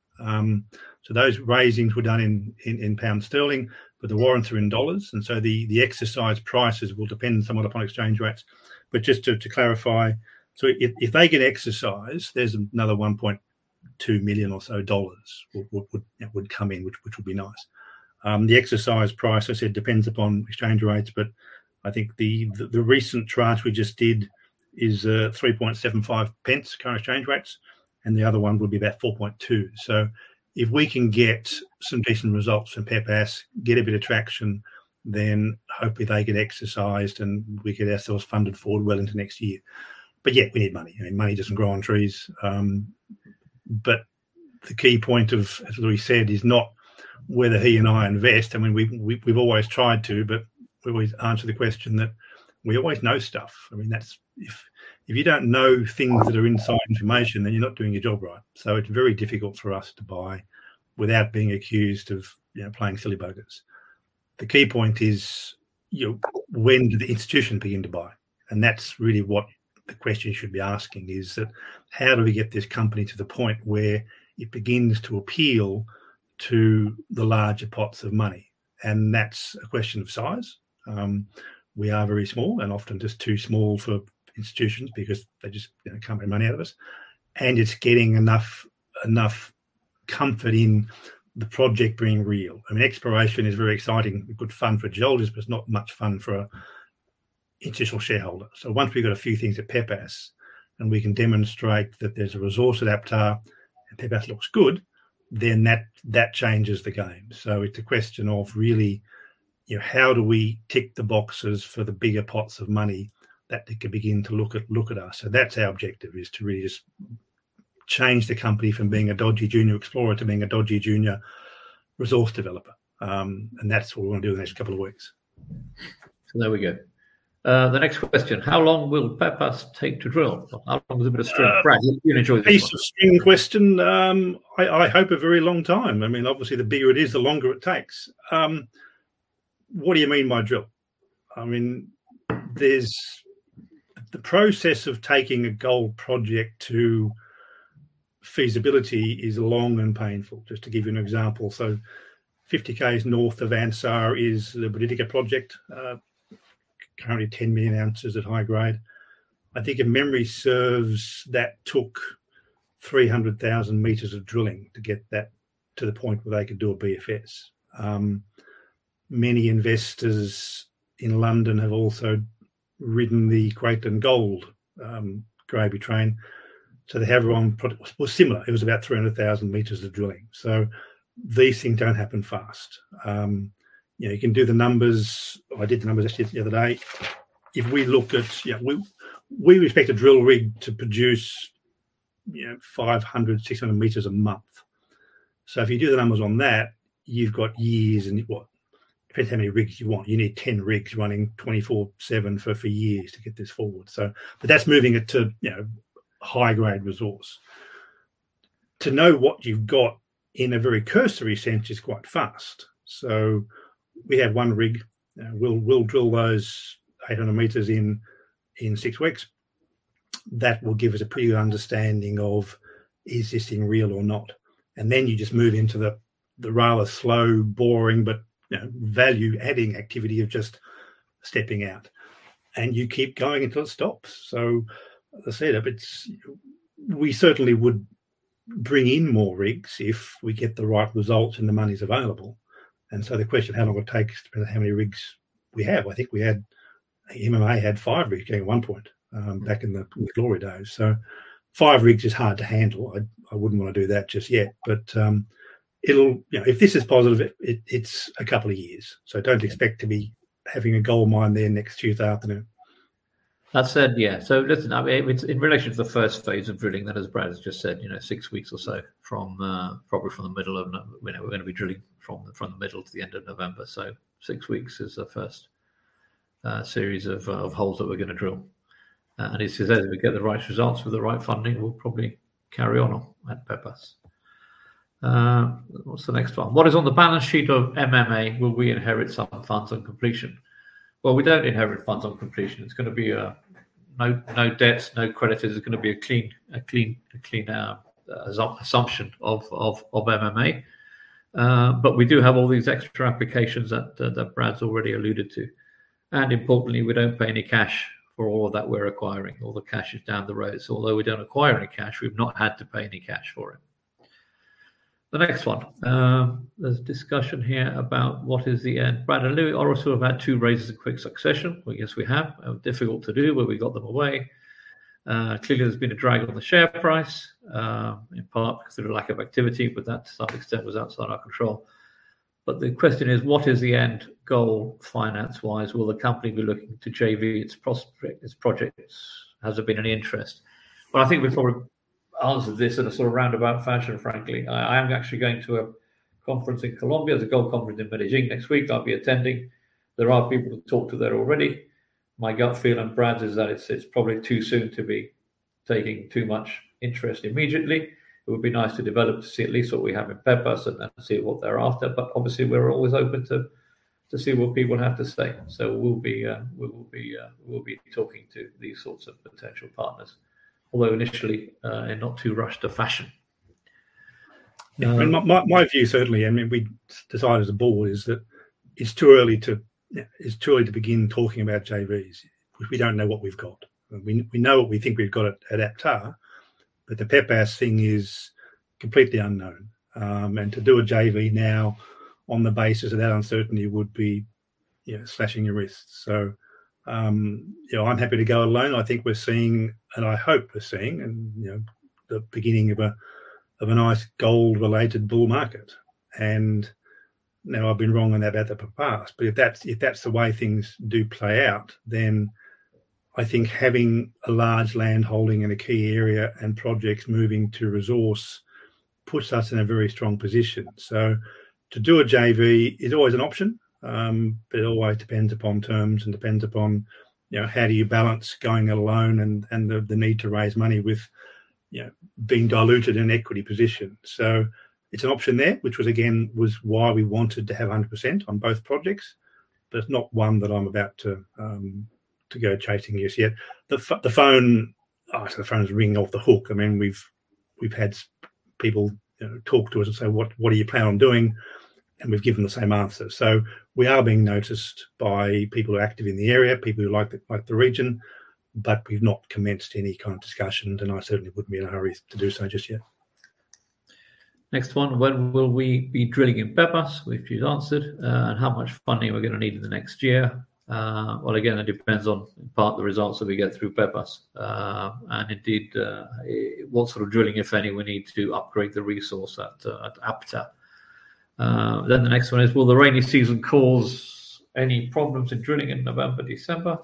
Those raisings were done in pound sterling, but the warrants were in dollars, and the exercise prices will depend somewhat upon exchange rates. Just to clarify. If they get exercised, there's another $1.2 million or so that would come in, which would be nice. The exercise price, as I said, depends upon exchange rates, but I think the recent tranche we just did is 3.75 pence current exchange rates, and the other one would be about 4.2. If we can get some decent results from Pepas, get a bit of traction, then hopefully they get exercised, and we get ourselves funded forward well into next year. Yeah, we need money. I mean, money doesn't grow on trees. The key point, as Luis said, is not whether he and I invest. I mean, we've always tried to, but we always answer the question that we always know stuff. I mean, that's. If you don't know things that are inside information, then you're not doing your job right. So it's very difficult for us to buy without being accused of, you know, playing silly buggers. The key point is, you know, when do the institutions begin to buy? That's really what the question you should be asking is that how do we get this company to the point where it begins to appeal to the larger pots of money? That's a question of size. We are very small and often just too small for institutions because they just, you know, can't make money out of us. It's getting enough comfort in the project being real. I mean, exploration is very exciting and good fun for geologists, but it's not much fun for an institutional shareholder. Once we've got a few things at Pepas, and we can demonstrate that there's a resource at APTA, and Pepas looks good, then that changes the game. It's a question of really, you know, how do we tick the boxes for the bigger pots of money that they can begin to look at us. That's our objective is to really just change the company from being a dodgy junior explorer to being a dodgy junior resource developer. That's what we wanna do in the next couple of weeks. There we go. The next question. "How long will Pepas take to drill?" How long is a bit of string? Brad, you enjoy this one. Piece of string question. I hope a very long time. I mean, obviously, the bigger it is, the longer it takes. What do you mean by drill? I mean, the process of taking a gold project to feasibility is long and painful. Just to give you an example. 50 km north of Anzá is the Buriticá project. Currently 10 million ounces at high grade. I think if memory serves, that took 300,000 meters of drilling to get that to the point where they could do a BFS. Many investors in London have also ridden the Greatland Gold gravy train. They have their own product. Well, similar. It was about 300,000 meters of drilling. These things don't happen fast. You know, you can do the numbers. I did the numbers actually the other day. If we look at... Yeah, we expect a drill rig to produce, you know, 500m-600m a month. If you do the numbers on that, you've got years. Depends how many rigs you want. You need 10 rigs running 24/7 for years to get this forward. But that's moving it to, you know, high-grade resource. To know what you've got in a very cursory sense is quite fast. We have one rig. We'll drill those 800 meters in six weeks. That will give us a pretty good understanding of is this thing real or not. Then you just move into the rather slow, boring, but, you know, value-adding activity of just stepping out. You keep going until it stops. As I said, if it's. We certainly would bring in more rigs if we get the right results and the money's available. The question, how long it takes, depends how many rigs we have. I think MMA had five rigs at one point, back in the glory days. Five rigs is hard to handle. I wouldn't wanna do that just yet. It'll. You know, if this is positive, it's a couple of years. Don't expect to be having a gold mine there next Tuesday afternoon. That said, yeah. Listen, I mean, it's in relation to the first phase of drilling that as Brad has just said, you know, six weeks or so from probably the middle to the end of November. You know, we're gonna be drilling from the middle to the end of November. Six weeks is the first series of holes that we're gonna drill. And as he says, if we get the right results with the right funding, we'll probably carry on at Pepas. What's the next one? What is on the balance sheet of MMA? Will we inherit some funds on completion? Well, we don't inherit funds on completion. It's gonna be no debts, no credits. It's gonna be a clean assumption of MMA. We do have all these extra applications that that Brad's already alluded to. Importantly, we don't pay any cash for all of that we're acquiring. All the cash is down the road. Although we don't acquire any cash, we've not had to pay any cash for it. The next one. There's discussion here about what is the end. Brad and Luis also have had two raises in quick succession. Well, yes, we have. Difficult to do, but we got them away. Clearly there's been a drag on the share price, in part because of the lack of activity, but that to some extent was outside our control. The question is, what is the end goal finance-wise? Will the company be looking to JV its projects? Has there been any interest? Well, I think we've sort of answered this in a sort of roundabout fashion, frankly. I am actually going to a conference in Colombia. There's a gold conference in Medellín next week I'll be attending. There are people to talk to there already. My gut feel, and Brad's, is that it's probably too soon to be taking too much interest immediately. It would be nice to develop to see at least what we have in Pepas and then see what they're after. Obviously we're always open to see what people have to say. We'll be talking to these sorts of potential partners. Although initially in not too rushed a fashion. My view certainly, I mean, we decided as a board is that it's too early to begin talking about JVs because we don't know what we've got. I mean, we know what we think we've got at APTA, but the Papela thing is completely unknown. To do a JV now on the basis of that uncertainty would be, you know, slashing your wrists. You know, I'm happy to go alone. I think we're seeing, and I hope we're seeing, you know, the beginning of a nice gold-related bull market. Now, I've been wrong on that in the past, but if that's the way things do play out, then I think having a large land holding in a key area and projects moving to resource puts us in a very strong position. To do a JV is always an option. But it always depends upon terms and depends upon, you know, how do you balance going it alone and the need to raise money with, you know, being diluted in equity position. It's an option there, which was again why we wanted to have 100% on both projects. But it's not one that I'm about to go chasing just yet. The phone's ringing off the hook. I mean, we've had people, you know, talk to us and say, "What do you plan on doing?" We've given the same answer. We are being noticed by people who are active in the area, people who like the region. We've not commenced any kind of discussions, and I certainly wouldn't be in a hurry to do so just yet. Next one. When will we be drilling in Pepas? We've just answered. How much funding are we gonna need in the next year. Well, again, it depends, in part, on the results that we get through Pepas. Indeed, what sort of drilling, if any, we need to do to upgrade the resource at APTA. The next one is, will the rainy season cause any problems in drilling in November, December?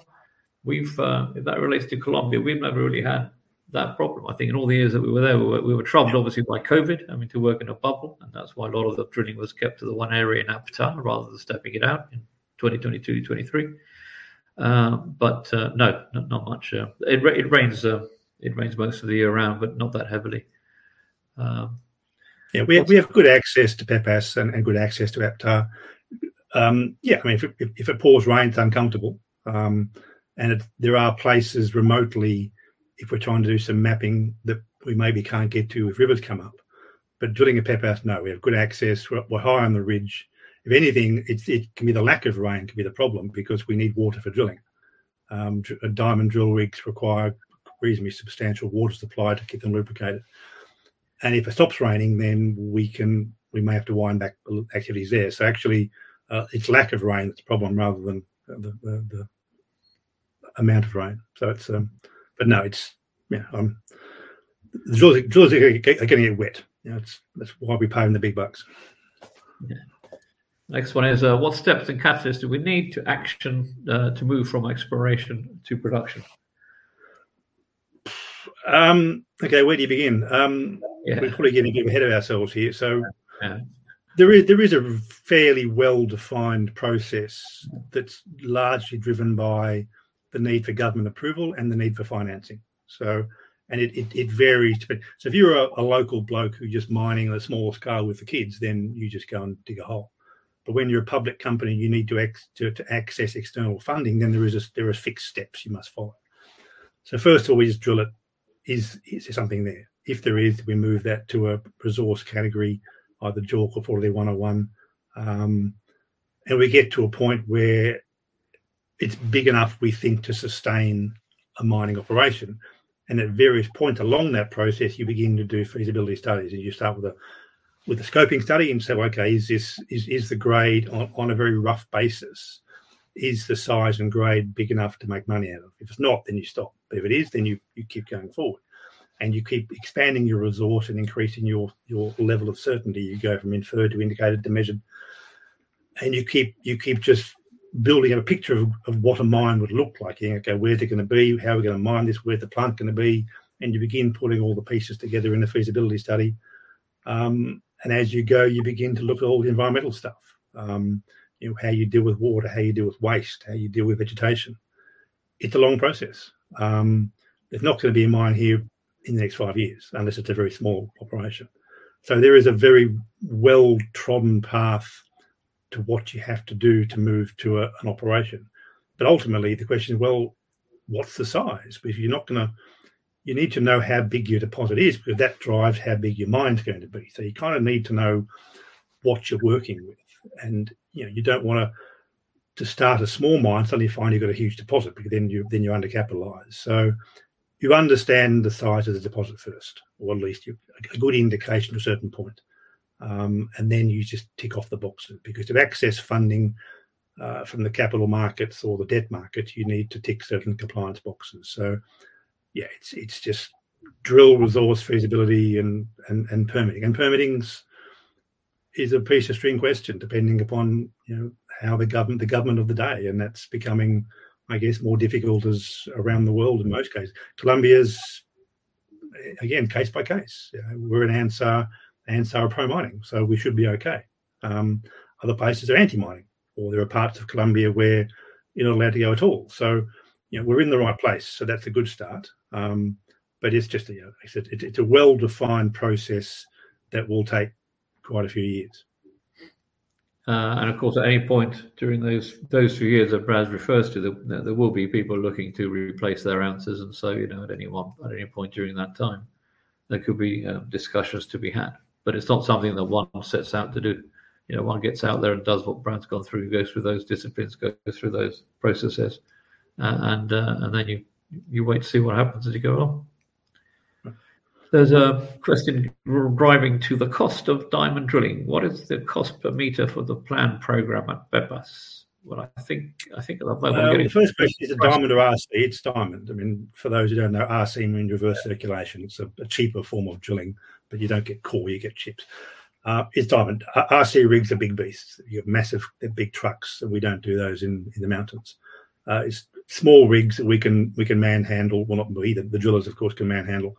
If that relates to Colombia, we've never really had that problem. I think in all the years that we were there, we were troubled obviously by COVID. I mean, to work in a bubble, and that's why a lot of the drilling was kept to the one area in APTA rather than stepping it out in 2022, 2023. No, not much. It rains most of the year round, but not that heavily. Yeah. We have good access to Pepas and good access to APTA. Yeah, I mean, if it pours rain, it's uncomfortable. There are places remotely if we're trying to do some mapping that we maybe can't get to if rivers come up. Drilling at Pepas, no, we have good access. We're high on the ridge. If anything, it can be the lack of rain that can be the problem because we need water for drilling. Diamond drill rigs require reasonably substantial water supply to keep them lubricated. If it stops raining, then we may have to wind back activities there. Actually, it's lack of rain that's a problem rather than the amount of rain. It's No, it's, you know, the drillers are getting it wet. You know, it's, that's why we pay them the big bucks. Yeah. Next one is, what steps and catalysts do we need to action, to move from exploration to production? Okay, where do you begin? Yeah. We're probably getting ahead of ourselves here. Yeah There is a fairly well-defined process that's largely driven by the need for government approval and the need for financing. It varies. If you're a local bloke who's just mining on a small scale with the kids, then you just go and dig a hole. When you're a public company, you need to access external funding, then there are fixed steps you must follow. First always drill it. Is there something there? If there is, we move that to a resource category, either JORC or 43-101. We get to a point where it's big enough, we think, to sustain a mining operation. At various points along that process, you begin to do feasibility studies. You start with a scoping study and say, "Okay, is the grade on a very rough basis, is the size and grade big enough to make money out of?" If it's not, then you stop. If it is, then you keep going forward. You keep expanding your resource and increasing your level of certainty. You go from inferred to indicated to measured. You keep just building out a picture of what a mine would look like. You know, okay, where's it gonna be? How are we gonna mine this? Where's the plant gonna be? You begin putting all the pieces together in a feasibility study. As you go, you begin to look at all the environmental stuff. You know, how you deal with water, how you deal with waste, how you deal with vegetation. It's a long process. There's not gonna be a mine here in the next five years, unless it's a very small operation. There is a very well-trodden path to what you have to do to move to an operation. Ultimately, the question is, well, what's the size? You need to know how big your deposit is, because that drives how big your mine's going to be. You kind of need to know what you're working with. You know, you don't wanna just start a small mine until you find you've got a huge deposit, because then you're undercapitalized. You understand the size of the deposit first, or at least a good indication to a certain point. You just tick off the boxes. Because to access funding from the capital markets or the debt market, you need to tick certain compliance boxes. Yeah, it's just drill resource feasibility and permitting. Permitting is a piece of string question, depending upon, you know, how the government of the day. That's becoming, I guess, more difficult as around the world in most cases. Colombia's, again, case by case. You know, we're in Anzá. Anzá is pro-mining, so we should be okay. Other places are anti-mining, or there are parts of Colombia where you're not allowed to go at all. You know, we're in the right place, so that's a good start. It's just, you know, as I said, it's a well-defined process that will take quite a few years. Of course, at any point during those few years that Brad refers to, there will be people looking to replace their answers. You know, at any point during that time, there could be discussions to be had. It's not something that one sets out to do. You know, one gets out there and does what Brad's gone through, goes through those disciplines, go through those processes. Then you wait to see what happens as you go on. There's a question arriving to the cost of diamond drilling. What is the cost per meter for the planned program at Pepas? Well, I think. Well, the first question, is it diamond or RC? It's diamond. I mean, for those who don't know, RC means reverse circulation. It's a cheaper form of drilling, but you don't get core, you get chips. It's diamond. RC rigs are big beasts. You have massive, they're big trucks, and we don't do those in the mountains. It's small rigs that we can manhandle. Well, not we, the drillers, of course, can manhandle.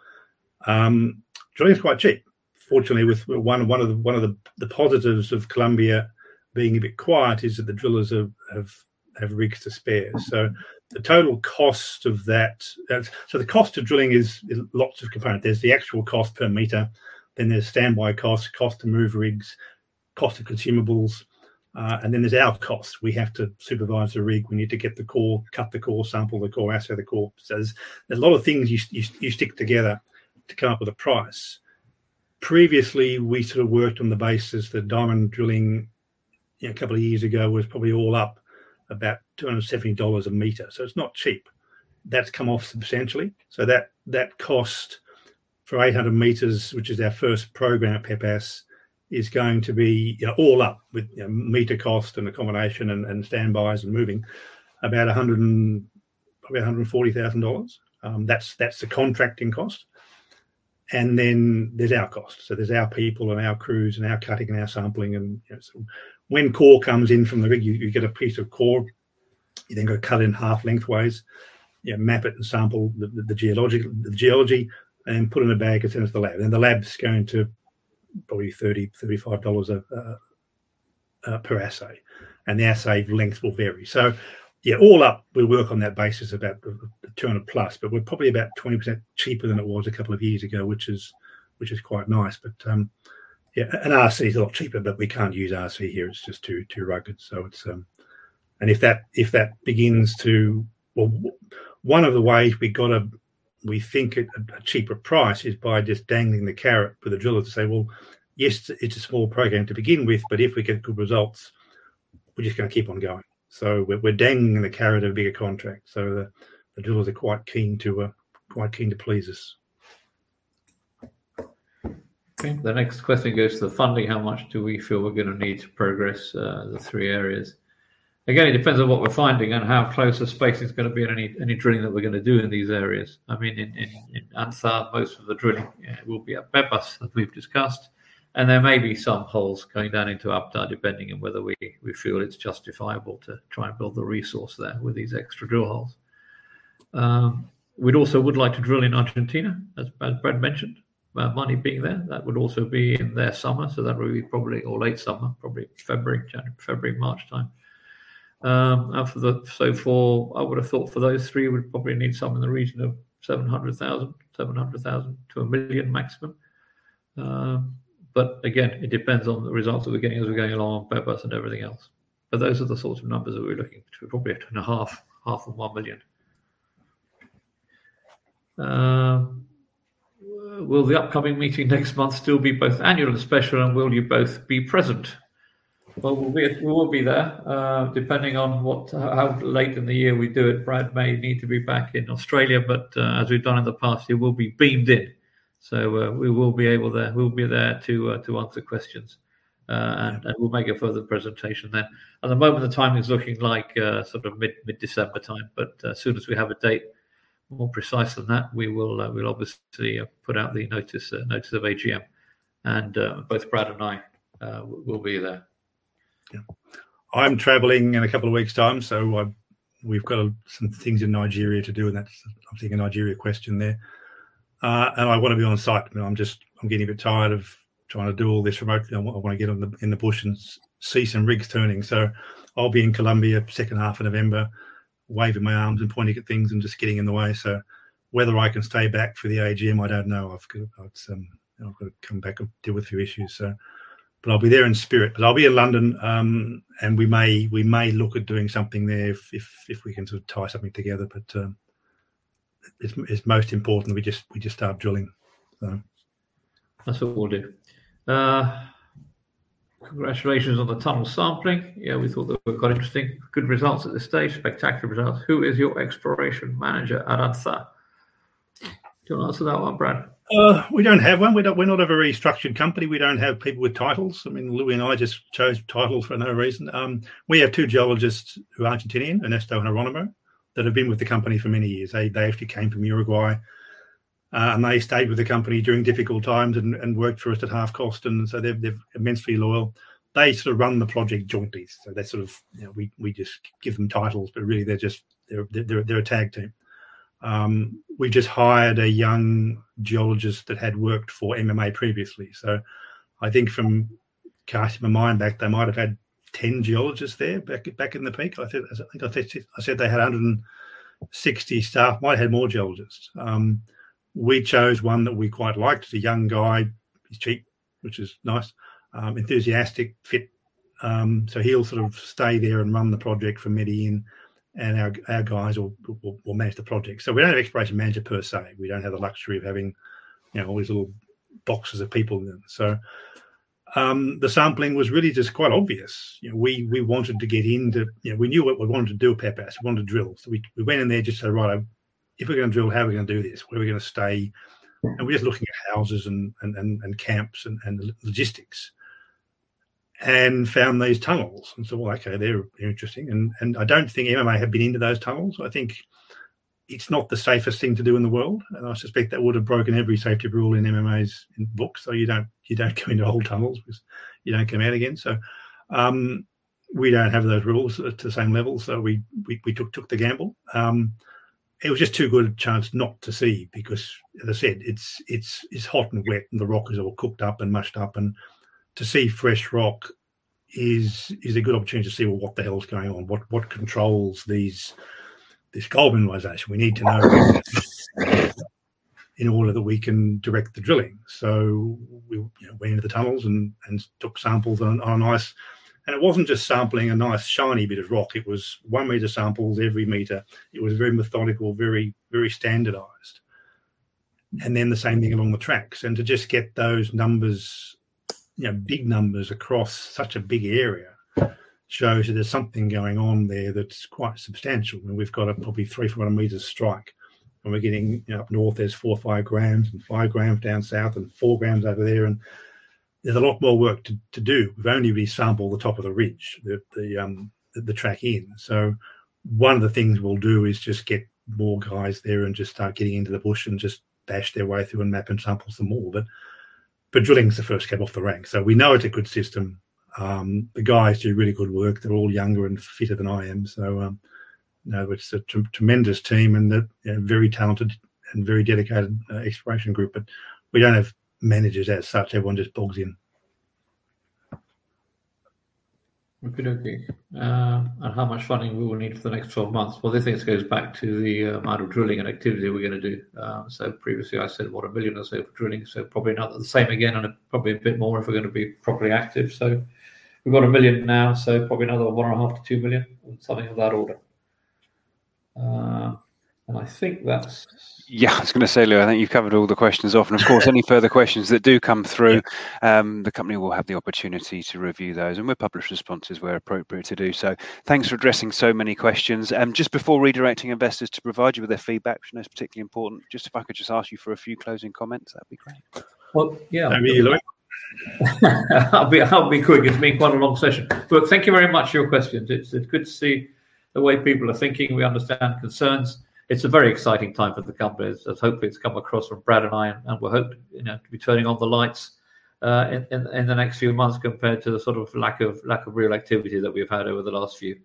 Drilling's quite cheap. Fortunately, with one of the positives of Colombia being a bit quiet is that the drillers have rigs to spare. So the total cost of that. So the cost of drilling is lots of components. There's the actual cost per meter, then there's standby costs, cost to move rigs, cost of consumables, and then there's our costs. We have to supervise the rig. We need to get the core, cut the core, sample the core, assay the core. There's a lot of things you stick together to come up with a price. Previously, we sort of worked on the basis that diamond drilling, you know, a couple of years ago, was probably all up about $270 a meter. It's not cheap. That's come off substantially. That cost for 800 meters, which is our first program at Pepas, is going to be, you know, all up with, you know, meter cost and accommodation and standbys and moving, about 100 and probably $140,000. That's the contracting cost. There's our costs. There's our people and our crews and our cutting and our sampling. You know, when core comes in from the rig, you get a piece of core. You then go cut it in half lengthwise. You map it and sample the geology and put it in a bag and send it to the lab. The lab's going to probably $30-$35 per assay. The assay lengths will vary. Yeah, all up, we work on that basis about the $200+. We're probably about 20% cheaper than it was a couple of years ago, which is quite nice. Yeah. RC is a lot cheaper, but we can't use RC here. It's just too rugged. It's. If that begins to. Well, one of the ways we got, we think, a cheaper price is by just dangling the carrot for the driller to say, "Well, yes, it's a small program to begin with, but if we get good results, we're just gonna keep on going." We're dangling the carrot of a bigger contract. The drillers are quite keen to please us. Okay. The next question goes to the funding. How much do we feel we're gonna need to progress the three areas? Again, it depends on what we're finding and how close the space is gonna be in any drilling that we're gonna do in these areas. I mean, in Anzá, most of the drilling will be at Pepas, as we've discussed. There may be some holes going down into APTA, depending on whether we feel it's justifiable to try and build the resource there with these extra drill holes. We'd also like to drill in Argentina, as Brad mentioned. Money being there, that would also be in their summer, so that would be probably late summer, January, February, March time. I would have thought for those three, we'd probably need somewhere in the region of $700,000. $700,000-$1 million maximum. But again, it depends on the results that we're getting as we're going along, Pepas and everything else. Those are the sorts of numbers that we're looking to appropriate. $2.5 million, half and $1 million. Will the upcoming meeting next month still be both annual and special, and will you both be present? Well, we will be there, depending on how late in the year we do it. Brad may need to be back in Australia, but as we've done in the past, he will be beamed in. We will be able there. We'll be there to answer questions. And we'll make a further presentation then. At the moment, the timing's looking like sort of mid-December time, but as soon as we have a date more precise than that, we will, we'll obviously put out the notice of AGM. Both Brad and I will be there. I'm traveling in a couple of weeks' time. We've got some things in Nigeria to do, and that's, I think, a Nigeria question there. I wanna be on site. I'm getting a bit tired of trying to do all this remotely. I wanna get in the bush and see some rigs turning. I'll be in Colombia second half of November, waving my arms and pointing at things and just getting in the way. Whether I can stay back for the AGM, I don't know. You know, I've got to come back and deal with a few issues. I'll be there in spirit. I'll be in London, and we may look at doing something there if we can sort of tie something together. It's most important we just start drilling, so. That's all we'll do. Congratulations on the tunnel sampling. Yeah, we thought that we've got interesting, good results at this stage. Spectacular results. Who is your exploration manager at Anzá? Do you want to answer that one, Brad? We don't have one. We're not a very structured company. We don't have people with titles. I mean, Luis and I just chose titles for no reason. We have two geologists who are Argentinian, Ernesto and Jerónimo, that have been with the company for many years. They actually came from Uruguay. They stayed with the company during difficult times and worked for us at half cost. They're immensely loyal. They sort of run the project jointly. They're sort of a tag team. You know, we just give them titles, but really they're just a tag team. We just hired a young geologist that had worked for MMA previously. I think from casting my mind back, they might have had 10 geologists there back in the peak. I think. I said they had 160 staff. Might've had more geologists. We chose one that we quite liked. He's a young guy. He's cheap, which is nice. Enthusiastic, fit. He'll sort of stay there and run the project for Medellín, and our guys will manage the project. We don't have exploration manager per se. We don't have the luxury of having, you know, all these little boxes of people. The sampling was really just quite obvious. You know, we wanted to get into. You know, we knew what we wanted to do at Pepas. We wanted to drill. We went in there and just said, "Righto, if we're gonna drill, how are we gonna do this? Where are we gonna stay? Yeah. We're just looking at houses and camps and logistics, and found these tunnels. Well, okay, they're interesting. I don't think MMA have been into those tunnels. I think it's not the safest thing to do in the world, and I suspect that would have broken every safety rule in MMA's book. You don't go into old tunnels 'cause you don't come out again. We don't have those rules at the same level, so we took the gamble. It was just too good a chance not to see because, as I said, it's hot and wet and the rock is all cooked up and mushed up. To see fresh rock is a good opportunity to see, well, what the hell's going on, what controls these, this gold mineralization. We need to know in order that we can direct the drilling. We, you know, went into the tunnels and took samples on ice. It wasn't just sampling a nice shiny bit of rock. It was 1-meter samples every meter. It was very methodical, very standardized. Then the same thing along the tracks. To just get those numbers, you know, big numbers across such a big area shows that there's something going on there that's quite substantial. We've got a probably 3- to 4-meter strike. We're getting, you know, up north there's 4 or 5 grams and 5 grams down south and 4 grams over there. There's a lot more work to do. We've only resampled the top of the ridge, the track in. One of the things we'll do is just get more guys there and just start getting into the bush and just bash their way through and map and sample some more. Drilling's the first cab off the rank. We know it's a good system. The guys do really good work. They're all younger and fitter than I am. You know, it's a tremendous team and they're, you know, very talented and very dedicated exploration group. We don't have managers as such. Everyone just bogs in. Okey-dokey. How much funding will we need for the next 12 months? Well, this I think goes back to the amount of drilling and activity we're gonna do. Previously I said about $1 million or so for drilling, so probably another the same again and probably a bit more if we're gonna be properly active. We've got $1 million now, so probably another $1.5 million-$2 million, something of that order. I think that's- Yeah, I was gonna say, Luis, I think you've covered all the questions off. Of course, any further questions that do come through- Yeah The company will have the opportunity to review those. We'll publish responses where appropriate to do so. Thanks for addressing so many questions. Just before redirecting investors to provide you with their feedback, which I know is particularly important, if I could ask you for a few closing comments, that'd be great. Well, yeah. Over to you, Louis. I'll be quick. It's been quite a long session. Thank you very much for your questions. It's good to see the way people are thinking. We understand concerns. It's a very exciting time for the company. Let's hope it's come across from Brad and I, and we hope, you know, to be turning on the lights in the next few months compared to the sort of lack of real activity that we've had over the last few.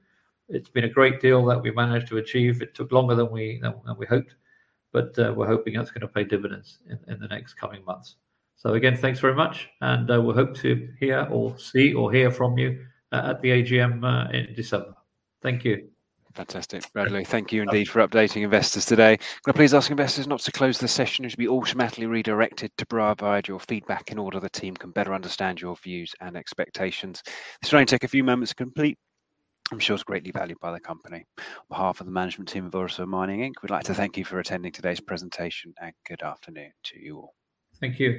It's been a great deal that we managed to achieve. It took longer than we hoped, but we're hoping that's gonna pay dividends in the next coming months. Again, thanks very much, and we'll hope to hear or see or hear from you at the AGM in December. Thank you. Fantastic. Brad, Luis, thank you indeed for updating investors today. Can I please ask investors not to close the session? You should be automatically redirected to provide your feedback in order that the team can better understand your views and expectations. This will only take a few moments to complete. I'm sure it's greatly valued by the company. On behalf of the management team of Orosur Mining Inc., we'd like to thank you for attending today's presentation, and good afternoon to you all. Thank you.